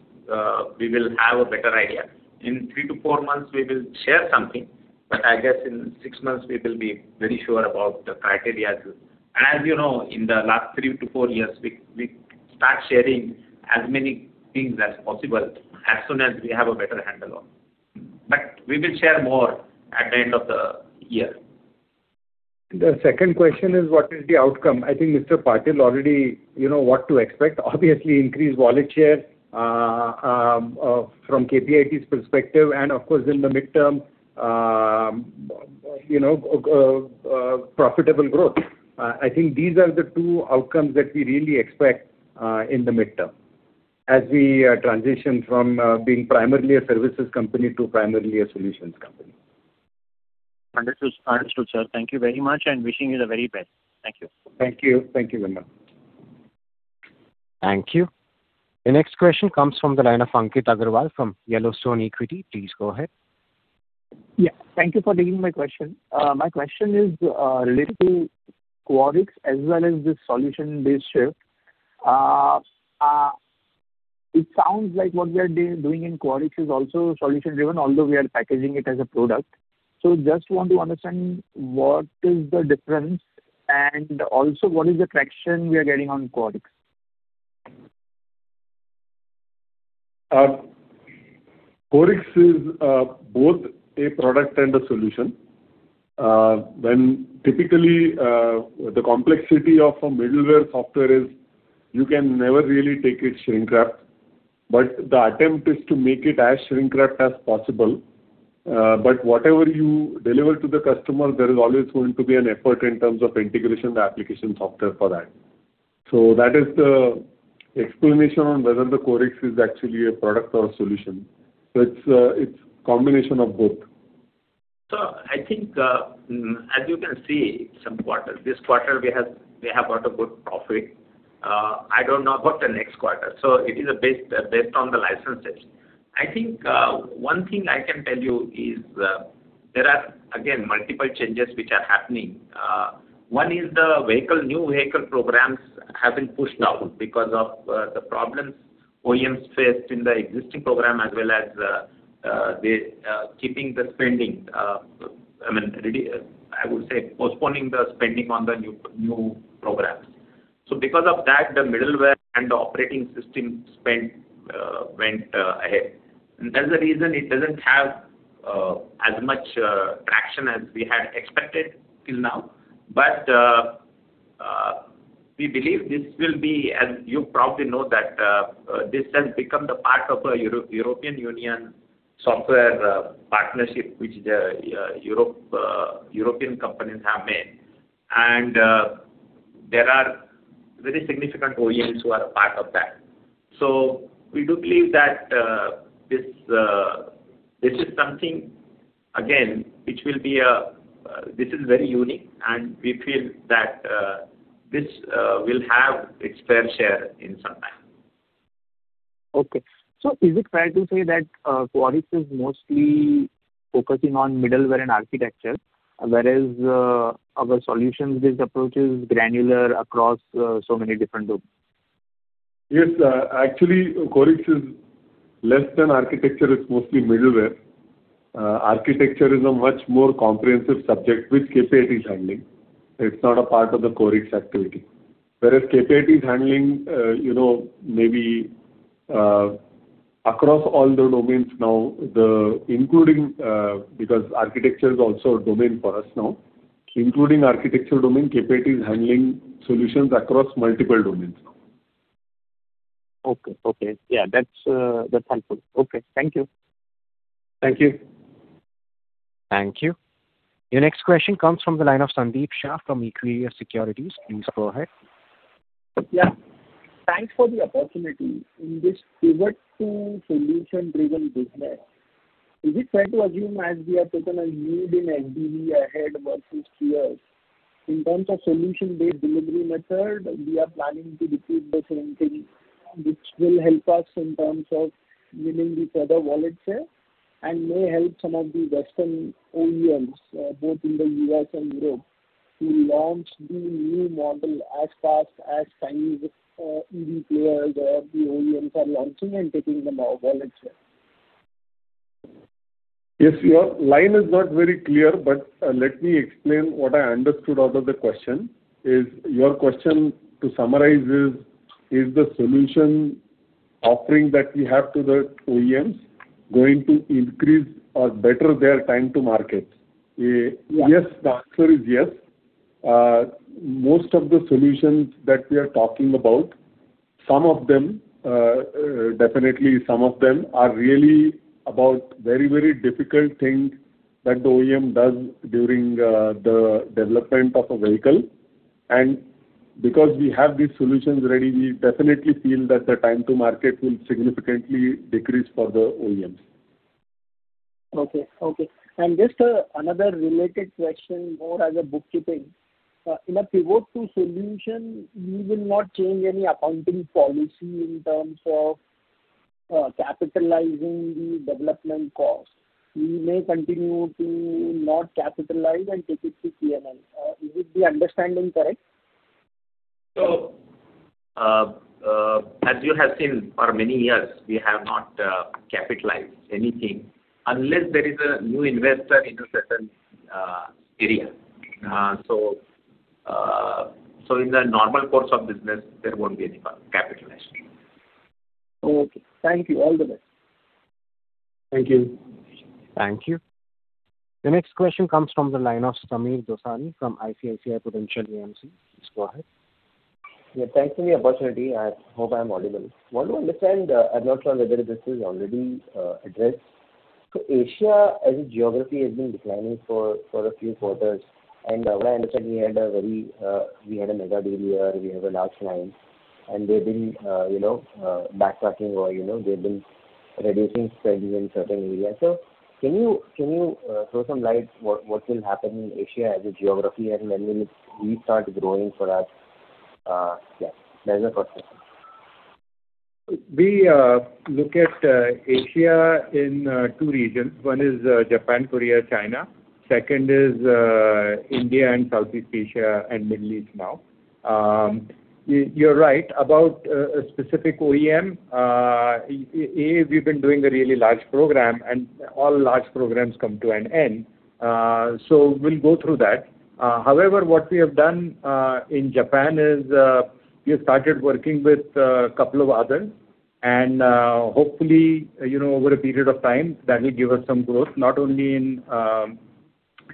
we will have a better idea. In three to four months, we will share something, but I guess in 6 months, we will be very sure about the criteria. As you know, in the last three to four years, we start sharing as many things as possible as soon as we have a better handle on. But we will share more at the end of the year. The second question is: What is the outcome? I think Mr. Patil already... You know what to expect. Obviously, increased wallet share from KPIT's perspective, and of course, in the midterm, you know, profitable growth. I think these are the two outcomes that we really expect in the midterm, as we transition from being primarily a services company to primarily a solutions company. Understood. Understood, sir. Thank you very much, and wishing you the very best. Thank you. Thank you. Thank you, Vinod. Thank you. The next question comes from the line of Ankit Agarwal from Yellowstone Equity. Please go ahead. Yeah. Thank you for taking my question. My question is related to Qorix as well as the solution-based shift. It sounds like what we are doing in Qorix is also solution-driven, although we are packaging it as a product. So just want to understand what is the difference, and also what is the traction we are getting on Qorix? Qorix is both a product and a solution. When typically the complexity of a middleware software is, you can never really take it shrink wrapped, but the attempt is to make it as shrink wrapped as possible. But whatever you deliver to the customer, there is always going to be an effort in terms of integration, the application software for that. So that is the explanation on whether the Qorix is actually a product or a solution. So it's, it's combination of both. So I think, as you can see, some quarter, this quarter, we have got a good profit. I don't know about the next quarter, so it is based on the licenses. I think one thing I can tell you is there are again multiple changes which are happening. One is the vehicle new vehicle programs have been pushed out because of the problems OEMs faced in the existing program, as well as the keeping the spending, I mean, I would say, postponing the spending on the new programs. So because of that, the middleware and operating system spend went ahead. And that's the reason it doesn't have as much traction as we had expected till now. But, we believe this will be, as you probably know, that this has become the part of a European Union software partnership, which the European companies have made. And, there are very significant OEMs who are a part of that. So we do believe that this is something, again, which will be a, this is very unique, and we feel that this will have its fair share in some time. Okay. So is it fair to say that Qorix is mostly focusing on middleware and architecture, whereas other solutions-based approach is granular across so many different groups? Yes. Actually, Qorix is less than architecture. It's mostly middleware. Architecture is a much more comprehensive subject, which KPIT is handling. It's not a part of the Qorix activity. Whereas KPIT is handling, you know, maybe, across all the domains now, including, because architecture is also a domain for us now. Including architecture domain, KPIT is handling solutions across multiple domains now. Okay. Okay. Yeah, that's, that's helpful. Okay. Thank you. Thank you. Thank you. Your next question comes from the line of Sandeep Shah from Equirus Securities. Please go ahead. Yeah. Thanks for the opportunity. In this pivot to solution-driven business, is it fair to assume as we have taken a lead in SDV ahead versus tiers? ...In terms of solution-based delivery method, we are planning to recruit the same thing, which will help us in terms of winning with other wallet share, and may help some of the Western OEMs, both in the U.S. and Europe, to launch the new model as fast as Chinese EV players or the OEMs are launching and taking the market wallet share. Yes, your line is not very clear, but let me explain what I understood out of the question. Is your question, to summarize, is: Is the solution offering that we have to the OEMs going to increase or better their time to market? Yeah. Yes, the answer is yes. Most of the solutions that we are talking about, some of them, definitely some of them are really about very, very difficult things that the OEM does during the development of a vehicle. And because we have these solutions ready, we definitely feel that the time to market will significantly decrease for the OEMs. Okay, okay. Just, another related question, more as a bookkeeping. In a pivot to solution, you will not change any accounting policy in terms of capitalizing the development cost. You may continue to not capitalize and take it to PNL. Is the understanding correct? As you have seen for many years, we have not capitalized anything unless there is a new investor into certain area. So, in the normal course of business, there won't be any capitalization. Okay. Thank you. All the best. Thank you. Thank you. The next question comes from the line of Samir Dosani from ICICI Prudential AMC. Please go ahead. Yeah, thanks for the opportunity. I hope I'm audible. Want to understand, I'm not sure whether this is already addressed. So Asia, as a geography, has been declining for a few quarters. And what I understand, we had a very, we had a mega deal here, we have a large client, and they've been, you know, they've been reducing spend in certain areas. So can you, can you, throw some light what will happen in Asia as a geography, and when will it restart growing for us? Yeah, that is my first question. We look at Asia in two regions. One is Japan, Korea, China. Second is India and Southeast Asia and Middle East now. You're right about a specific OEM. We've been doing a really large program, and all large programs come to an end, so we'll go through that. However, what we have done in Japan is we have started working with a couple of others, and hopefully, you know, over a period of time, that will give us some growth, not only in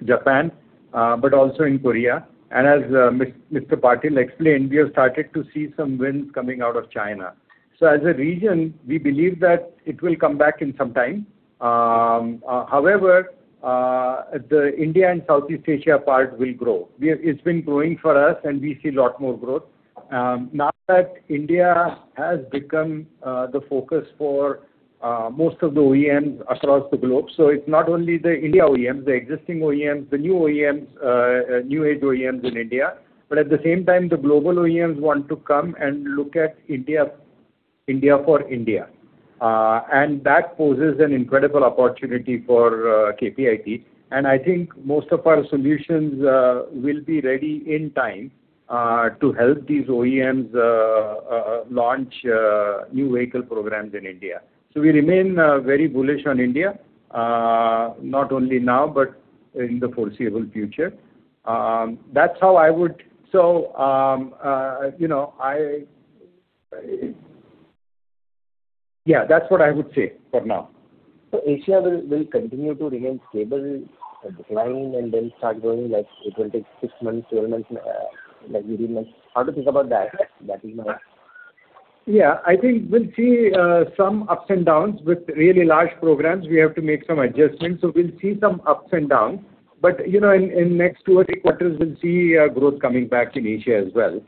Japan, but also in Korea. And as Mr. Patil explained, we have started to see some wins coming out of China. So as a region, we believe that it will come back in some time. However, the India and Southeast Asia part will grow. We have. It's been growing for us, and we see a lot more growth now that India has become the focus for most of the OEMs across the globe. So it's not only the India OEMs, the existing OEMs, the new OEMs, new-age OEMs in India, but at the same time, the global OEMs want to come and look at India, India for India. And that poses an incredible opportunity for KPIT. And I think most of our solutions will be ready in time to help these OEMs launch new vehicle programs in India. So we remain very bullish on India, not only now, but in the foreseeable future. That's how I would... So, you know, I... Yeah, that's what I would say for now. So Asia will, will continue to remain stable, decline, and then start growing, like it will take 6 months, 12 months, like 18 months? How to think about that? That is my- Yeah, I think we'll see some ups and downs. With really large programs, we have to make some adjustments, so we'll see some ups and downs. But, you know, in next two or three quarters, we'll see growth coming back in Asia as well.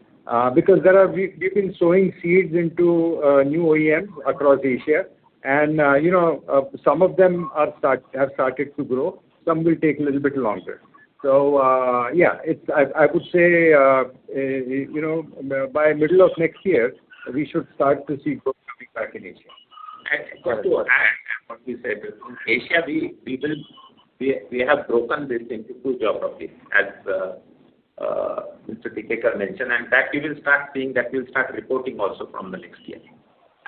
Because there are... We've been sowing seeds into new OEMs across Asia, and, you know, some of them have started to grow, some will take a little bit longer. So, yeah, I would say, you know, by middle of next year, we should start to see growth coming back in Asia. What we said is, from Asia, we will, we have broken this into two geographies, as Mr. Tikekar mentioned, and that you will start seeing, that you'll start reporting also from the next year.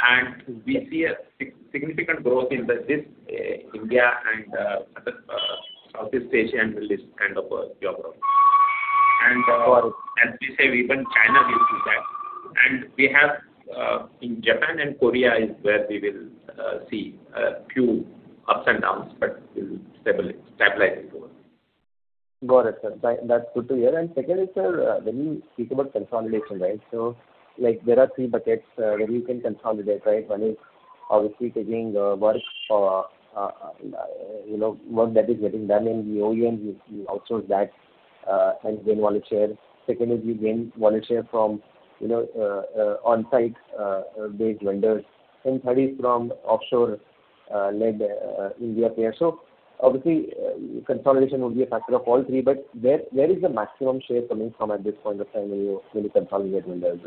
And we see a significant growth in this India and other Southeast Asia, Middle East kind of a geography. And as we say, even China will do that. And we have in Japan and Korea is where we will see few ups and downs, but we'll stabilize it over. Got it, sir. That's good to hear. And second is, when you speak about consolidation, right? So, like, there are three buckets, where you can consolidate, right? One is obviously taking work or, you know, work that is getting done in the OEM, you outsource that, and gain wallet share. Second is you gain wallet share from, you know, on-site based vendors. And third is from offshore-... already in Europe. So obviously, consolidation would be a factor of all three, but where is the maximum share coming from at this point of time when you consolidate vendors,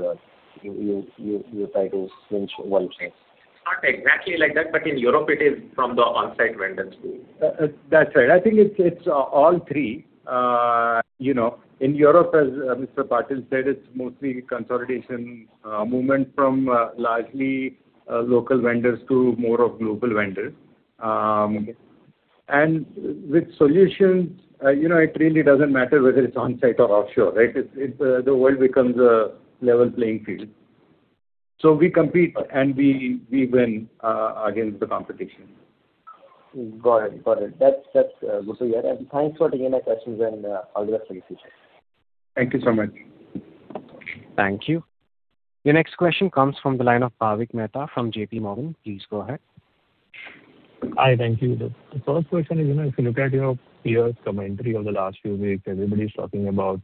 you try to switch one change? Not exactly like that, but in Europe it is from the on-site vendors too. That's right. I think it's, it's all three. You know, in Europe, as Mr. Patil said, it's mostly consolidation, movement from largely local vendors to more of global vendors. And with solutions, you know, it really doesn't matter whether it's on-site or offshore, right? It's, it's the world becomes a level playing field. So we compete, and we, we win against the competition. Got it. Got it. That's, that's good to hear. And thanks for taking my questions, and I'll get back to you soon. Thank you so much. Thank you. The next question comes from the line of Bhavik Mehta from J.P. Morgan. Please go ahead. Hi, thank you. The first question is, you know, if you look at your peers' commentary over the last few weeks, everybody's talking about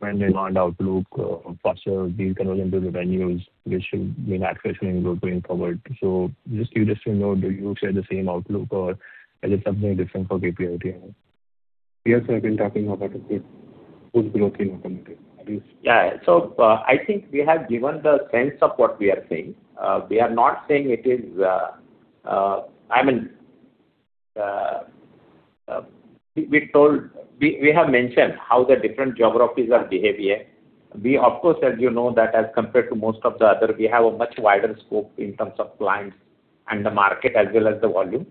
demand outlook, faster deal conversion to revenues, which should mean acceleration in growth going forward. So just to know, do you share the same outlook, or is it something different for KPIT? Peers have been talking about it with good growth in opportunity. Yeah. So, I think we have given the sense of what we are saying. We are not saying it is. I mean, we have mentioned how the different geographies are behaving. We, of course, as you know, that as compared to most of the other, we have a much wider scope in terms of clients and the market as well as the volume.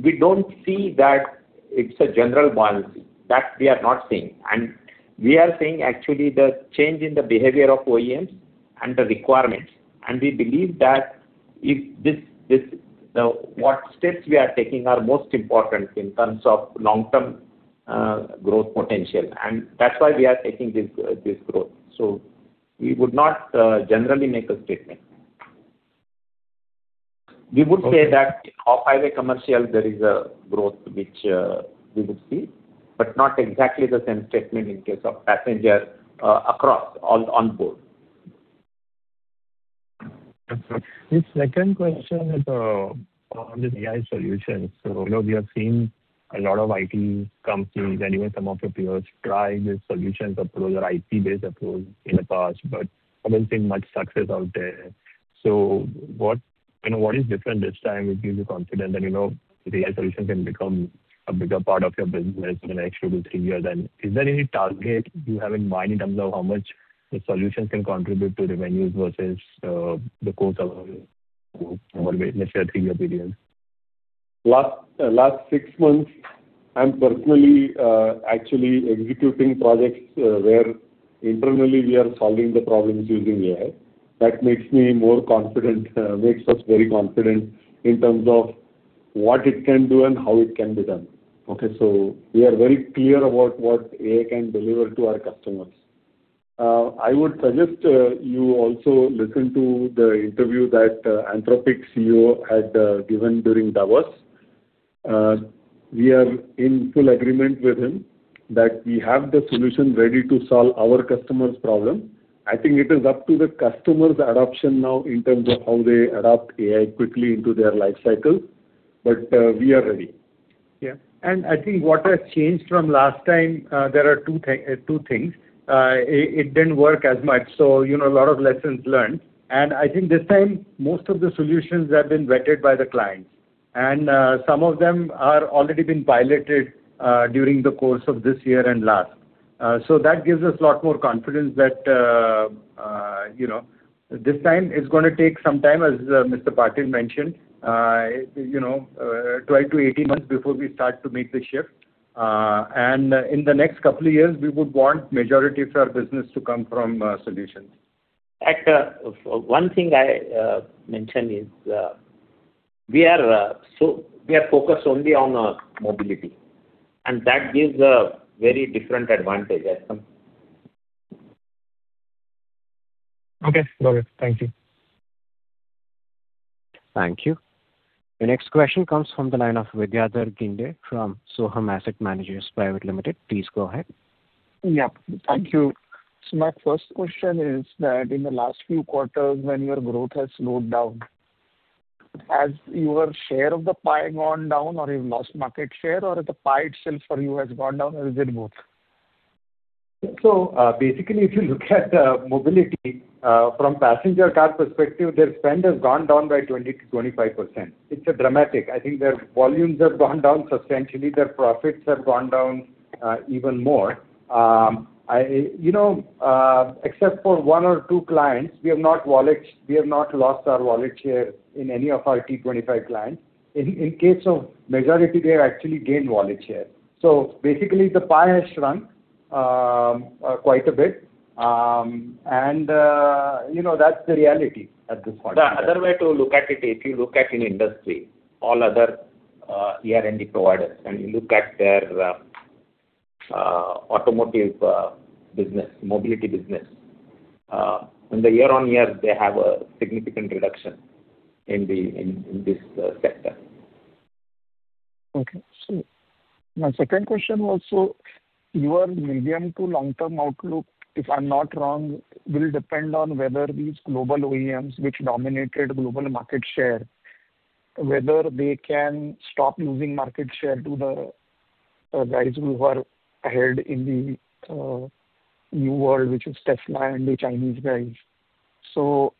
We don't see that it's a general policy. That we are not seeing. And we are seeing actually the change in the behavior of OEMs and the requirements, and we believe that what steps we are taking are most important in terms of long-term growth potential, and that's why we are taking this growth. So we would not generally make a statement. We would say that off-highway commercial, there is a growth which, we would see, but not exactly the same statement in case of passenger, across on, on board. Okay. The second question is on the AI solutions. So, you know, we have seen a lot of IT companies, anyway, some of your peers try these solutions approach or IT-based approach in the past, but I don't think much success out there. So what, you know, what is different this time, which gives you confidence that, you know, the AI solution can become a bigger part of your business in the next two to three years? And is there any target you have in mind in terms of how much the solutions can contribute to revenues versus the cost of over the next three years period? Last six months, I'm personally actually executing projects where internally we are solving the problems using AI. That makes me more confident, makes us very confident in terms of what it can do and how it can be done. Okay, so we are very clear about what AI can deliver to our customers. I would suggest you also listen to the interview that Anthropic CEO had given during Davos. We are in full agreement with him, that we have the solution ready to solve our customers' problem. I think it is up to the customers' adoption now in terms of how they adopt AI quickly into their life cycle. But we are ready. Yeah. And I think what has changed from last time, there are two things. It didn't work as much, so, you know, a lot of lessons learned. And I think this time, most of the solutions have been vetted by the clients. And some of them are already been piloted during the course of this year and last. So that gives us a lot more confidence that, you know, this time it's gonna take some time, as Mr. Patil mentioned, you know, 12-18 months before we start to make the shift. And in the next couple of years, we would want majority of our business to come from solutions. Like, one thing I mention is, so we are focused only on mobility, and that gives a very different advantage as some. Okay. Got it. Thank you. Thank you. The next question comes from the line of Vidyadhar Ginde from Soham Asset Managers Private Limited. Please go ahead. Yeah, thank you. So my first question is that in the last few quarters, when your growth has slowed down, has your share of the pie gone down, or you've lost market share, or the pie itself for you has gone down, or is it both? So, basically, if you look at mobility from passenger car perspective, their spend has gone down by 20%-25%. It's dramatic. I think their volumes have gone down substantially, their profits have gone down even more. You know, except for one or two clients, we have not lost our wallet share in any of our top 25 clients. In case of majority, they have actually gained wallet share. So basically, the pie has shrunk quite a bit. And you know, that's the reality at this point. The other way to look at it, if you look at in industry, all other ER&D providers, and you look at their automotive business, mobility business, in the year-on-year, they have a significant reduction in the, in this sector.... Okay. So my second question was, so your medium to long-term outlook, if I'm not wrong, will depend on whether these global OEMs, which dominated global market share, whether they can stop losing market share to the guys who are ahead in the new world, which is Tesla and the Chinese guys. So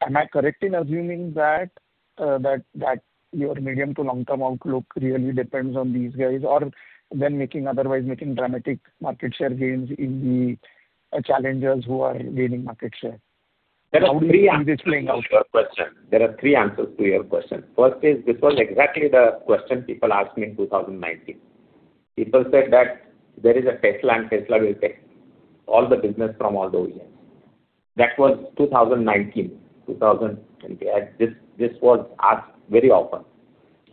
am I correct in assuming that that your medium to long-term outlook really depends on these guys, or them otherwise making dramatic market share gains in the challengers who are gaining market share? How would you explain that? There are three answers to your question. There are three answers to your question. First is, this was exactly the question people asked me in 2019. People said that there is a Tesla, and Tesla will take all the business from all the OEMs. That was 2019, 2020, and this, this was asked very often.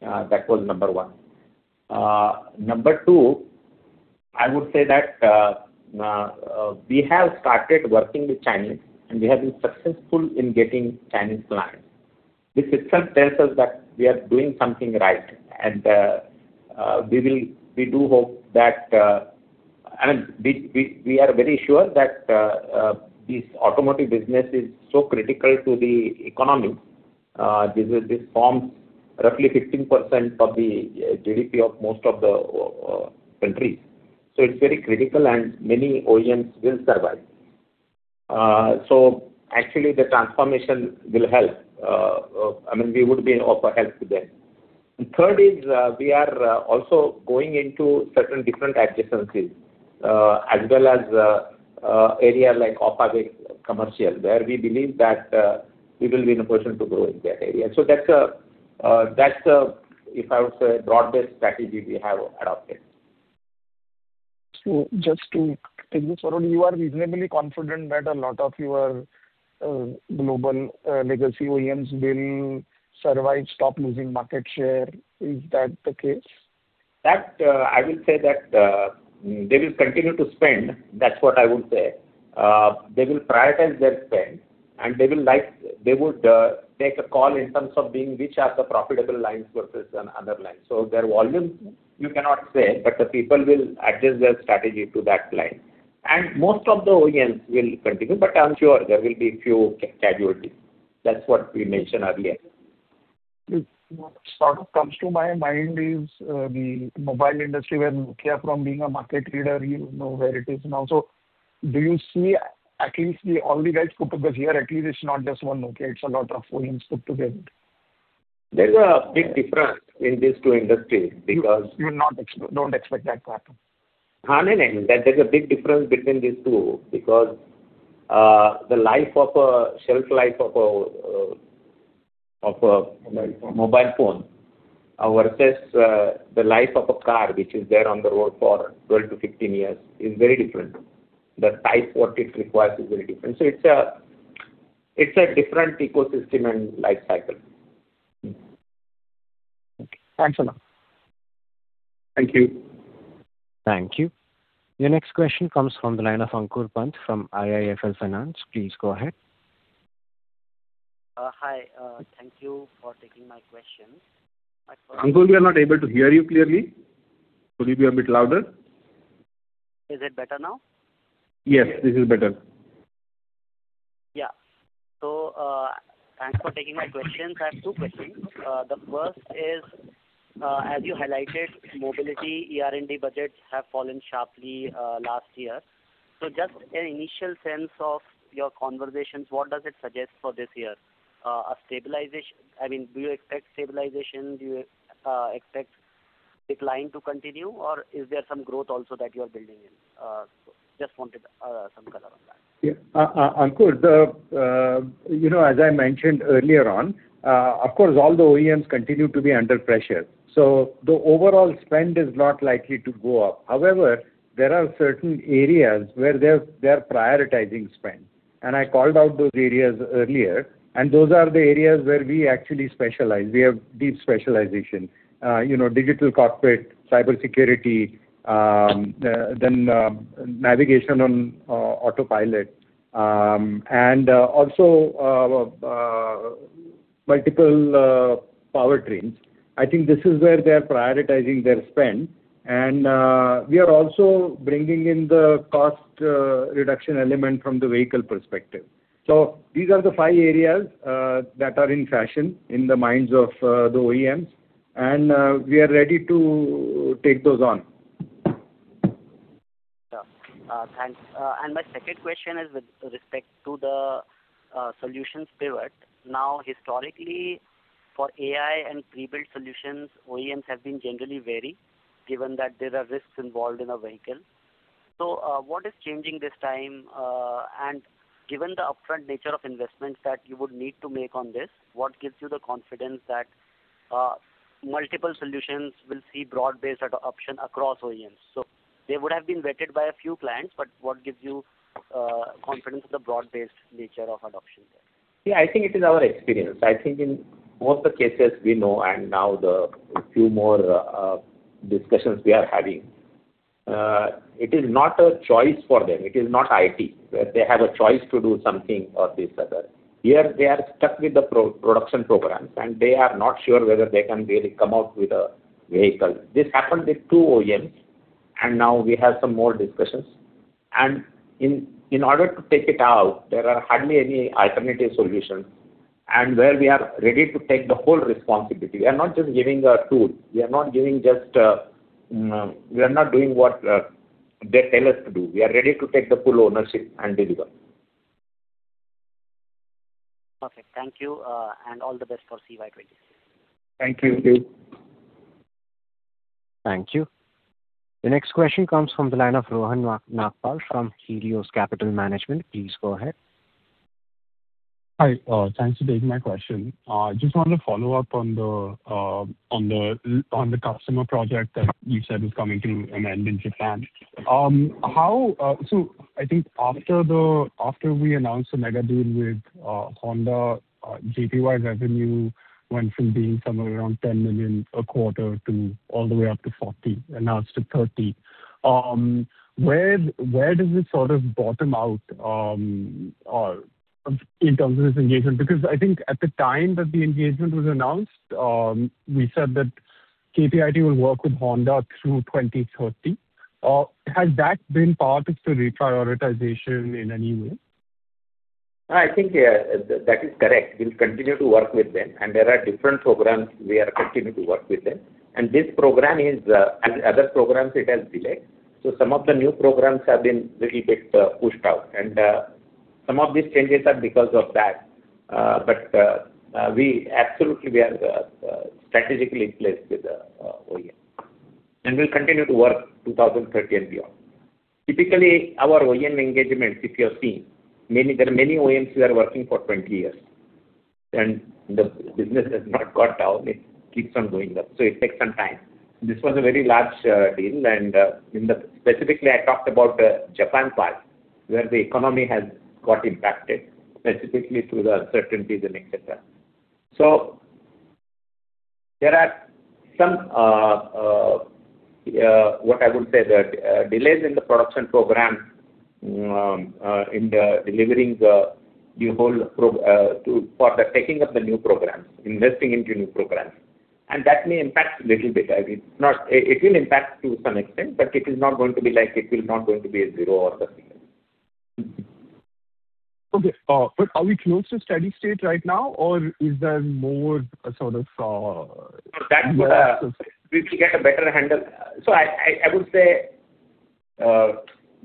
That was number one. Number two, I would say that, we have started working with Chinese, and we have been successful in getting Chinese clients. This itself tells us that we are doing something right, and, we will - we do hope that... I mean, we, we, we are very sure that, this automotive business is so critical to the economy. This is, this forms roughly 15% of the GDP of most of the auto countries. So it's very critical, and many OEMs will survive. Actually, the transformation will help. I mean, we would be of help to them. Third is, we are also going into certain different adjacencies, as well as area like off-highway commercial, where we believe that we will be in a position to grow in that area. So that's, that's, if I would say, broad-based strategy we have adopted. Just to take this forward, you are reasonably confident that a lot of your global legacy OEMs will survive, stop losing market share. Is that the case? That, I will say that, they will continue to spend. That's what I would say. They will prioritize their spend, and they will like-- they would, take a call in terms of being which are the profitable lines versus an other line. So their volume, you cannot say, but the people will adjust their strategy to that line. And most of the OEMs will continue, but I'm sure there will be a few casualties. That's what we mentioned earlier. What sort of comes to my mind is the mobile industry, where Nokia, from being a market leader, you know, where it is now. So do you see at least all the guys put together, here, at least it's not just one Nokia, it's a lot of OEMs put together? There's a big difference in these two industries, because- You don't expect that to happen. No, no. That there's a big difference between these two, because the life of a shelf life of a of a- Mobile phone. Mobile phone versus the life of a car, which is there on the road for 12-15 years, is very different. The type, what it requires, is very different. So it's a different ecosystem and life cycle. Okay. Thanks a lot. Thank you. Thank you. Your next question comes from the line of Ankur Pant from IIFL Securities. Please go ahead. Hi. Thank you for taking my question. My first- Ankur, we are not able to hear you clearly. Could you be a bit louder? Is it better now? Yes, this is better. Yeah. So, thanks for taking my questions. I have two questions. The first is, as you highlighted, mobility ER&D budgets have fallen sharply last year. So just an initial sense of your conversations, what does it suggest for this year? A stabilization—I mean, do you expect stabilization? Do you expect decline to continue, or is there some growth also that you are building in? Just wanted some color on that. Yeah. Ankur, you know, as I mentioned earlier on, of course, all the OEMs continue to be under pressure, so the overall spend is not likely to go up. However, there are certain areas where they're prioritizing spend, and I called out those areas earlier, and those are the areas where we actually specialize. We have deep specialization. You know, Digital Cockpit, cybersecurity, then Navigation on Autopilot, and multiple powertrains. I think this is where they are prioritizing their spend, and we are also bringing in the cost reduction element from the vehicle perspective. So these are the five areas that are in fashion in the minds of the OEMs, and we are ready to take those on. Yeah. Thanks. And my second question is with respect to the solutions pivot. Now, historically, for AI and pre-built solutions, OEMs have been generally wary, given that there are risks involved in a vehicle. So, what is changing this time? And given the upfront nature of investments that you would need to make on this, what gives you the confidence that multiple solutions will see broad-based adoption across OEMs? So they would have been vetted by a few clients, but what gives you confidence in the broad-based nature of adoption there? Yeah, I think it is our experience. I think in most of the cases we know, and now the few more discussions we are having, it is not a choice for them. It is not IT, where they have a choice to do something or this or that. Here, they are stuck with the pre-production programs, and they are not sure whether they can really come out with a vehicle. This happened with two OEMs, and now we have some more discussions. And in order to take it out, there are hardly any alternative solutions, and where we are ready to take the whole responsibility. We are not just giving a tool, we are not giving just, we are not doing what they tell us to do. We are ready to take the full ownership and deliver. Perfect. Thank you, and all the best for CY 2020. Thank you. Thank you. The next question comes from the line of Rohan Nagpal from Helios Capital Management. Please go ahead. Hi, thanks for taking my question. Just wanted to follow up on the, on the customer project that you said is coming to an end in Japan. So I think after we announced the mega deal with Honda, JPY revenue went from being somewhere around 10 million a quarter to all the way up to 40 million, announced to 30 million. Where does this sort of bottom out in terms of this engagement? Because I think at the time that the engagement was announced, we said that KPIT will work with Honda through 2030. Has that been part of the reprioritization in any way? I think, yeah, that is correct. We'll continue to work with them, and there are different programs we are continuing to work with them. And this program is, as other programs, it has delayed. So some of the new programs have been little bit, pushed out, and, some of these changes are because of that. But, we absolutely we are, strategically placed with, OEM. And we'll continue to work 2030 and beyond. Typically, our OEM engagements, if you have seen, many, there are many OEMs we are working for 20 years, and the business has not got down, it keeps on going up. So it takes some time. This was a very large deal, and in the specifically, I talked about the Japan part, where the economy has got impacted, specifically through the uncertainties and et cetera. So there are some yeah, what I would say, the delays in the production program in delivering the whole to for the taking of the new programs, investing into new programs. And that may impact a little bit. It's not. It will impact to some extent, but it is not going to be like, it will not going to be a zero or nothing. Okay. But are we close to steady state right now, or is there more sort of? For that, we could get a better handle. So I would say,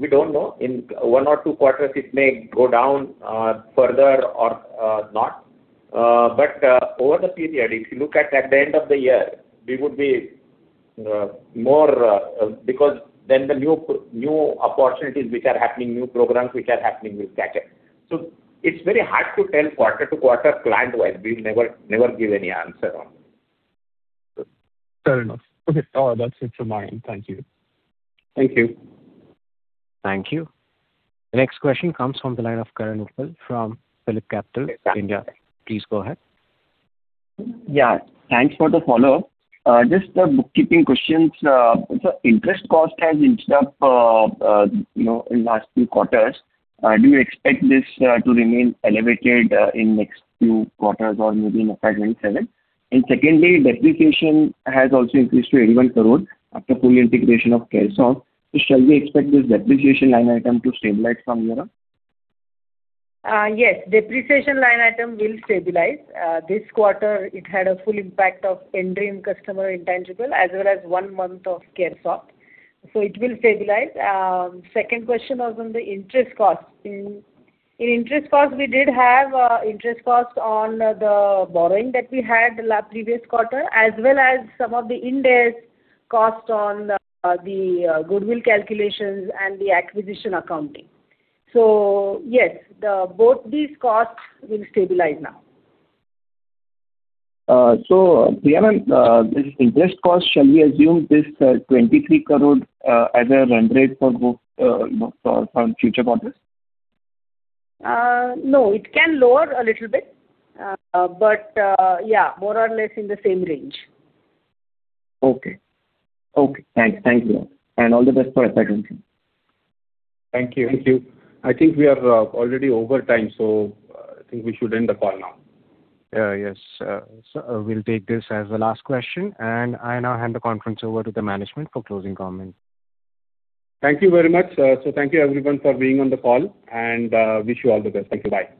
we don't know. In one or two quarters, it may go down further or not. But over the period, if you look at the end of the year, we would be more because then the new opportunities which are happening, new programs which are happening will catch up. So it's very hard to tell quarter to quarter client-wise. We'll never, never give any answer on this. Fair enough. Okay, that's it from my end. Thank you. Thank you. Thank you. The next question comes from the line of Karan Uppal from PhillipCapital, India. Please go ahead. Yeah, thanks for the follow-up. Just a bookkeeping questions. So interest cost has inched up, you know, in last few quarters. Do you expect this to remain elevated in next few quarters or maybe in FY 2027? And secondly, depreciation has also increased to 81 crore after full integration of CareSoft. So shall we expect this depreciation line item to stabilize from here on? Yes, depreciation line item will stabilize. This quarter, it had a full impact of N-Dream customer intangible as well as one month of CareSoft, so it will stabilize. Second question was on the interest cost. In interest cost, we did have interest cost on the borrowing that we had last previous quarter, as well as some of the Ind AS cost on the goodwill calculations and the acquisition accounting. So yes, both these costs will stabilize now. So Priya, this interest cost, shall we assume this 23 crore as a run rate for both, you know, for future quarters? No, it can lower a little bit. But, yeah, more or less in the same range. Okay. Okay, thanks. Thank you, and all the best for everything. Thank you. Thank you. I think we are already over time, so I think we should end the call now. Yes. So we'll take this as the last question, and I now hand the conference over to the management for closing comments. Thank you very much. So thank you everyone for being on the call, and wish you all the best. Thank you. Bye.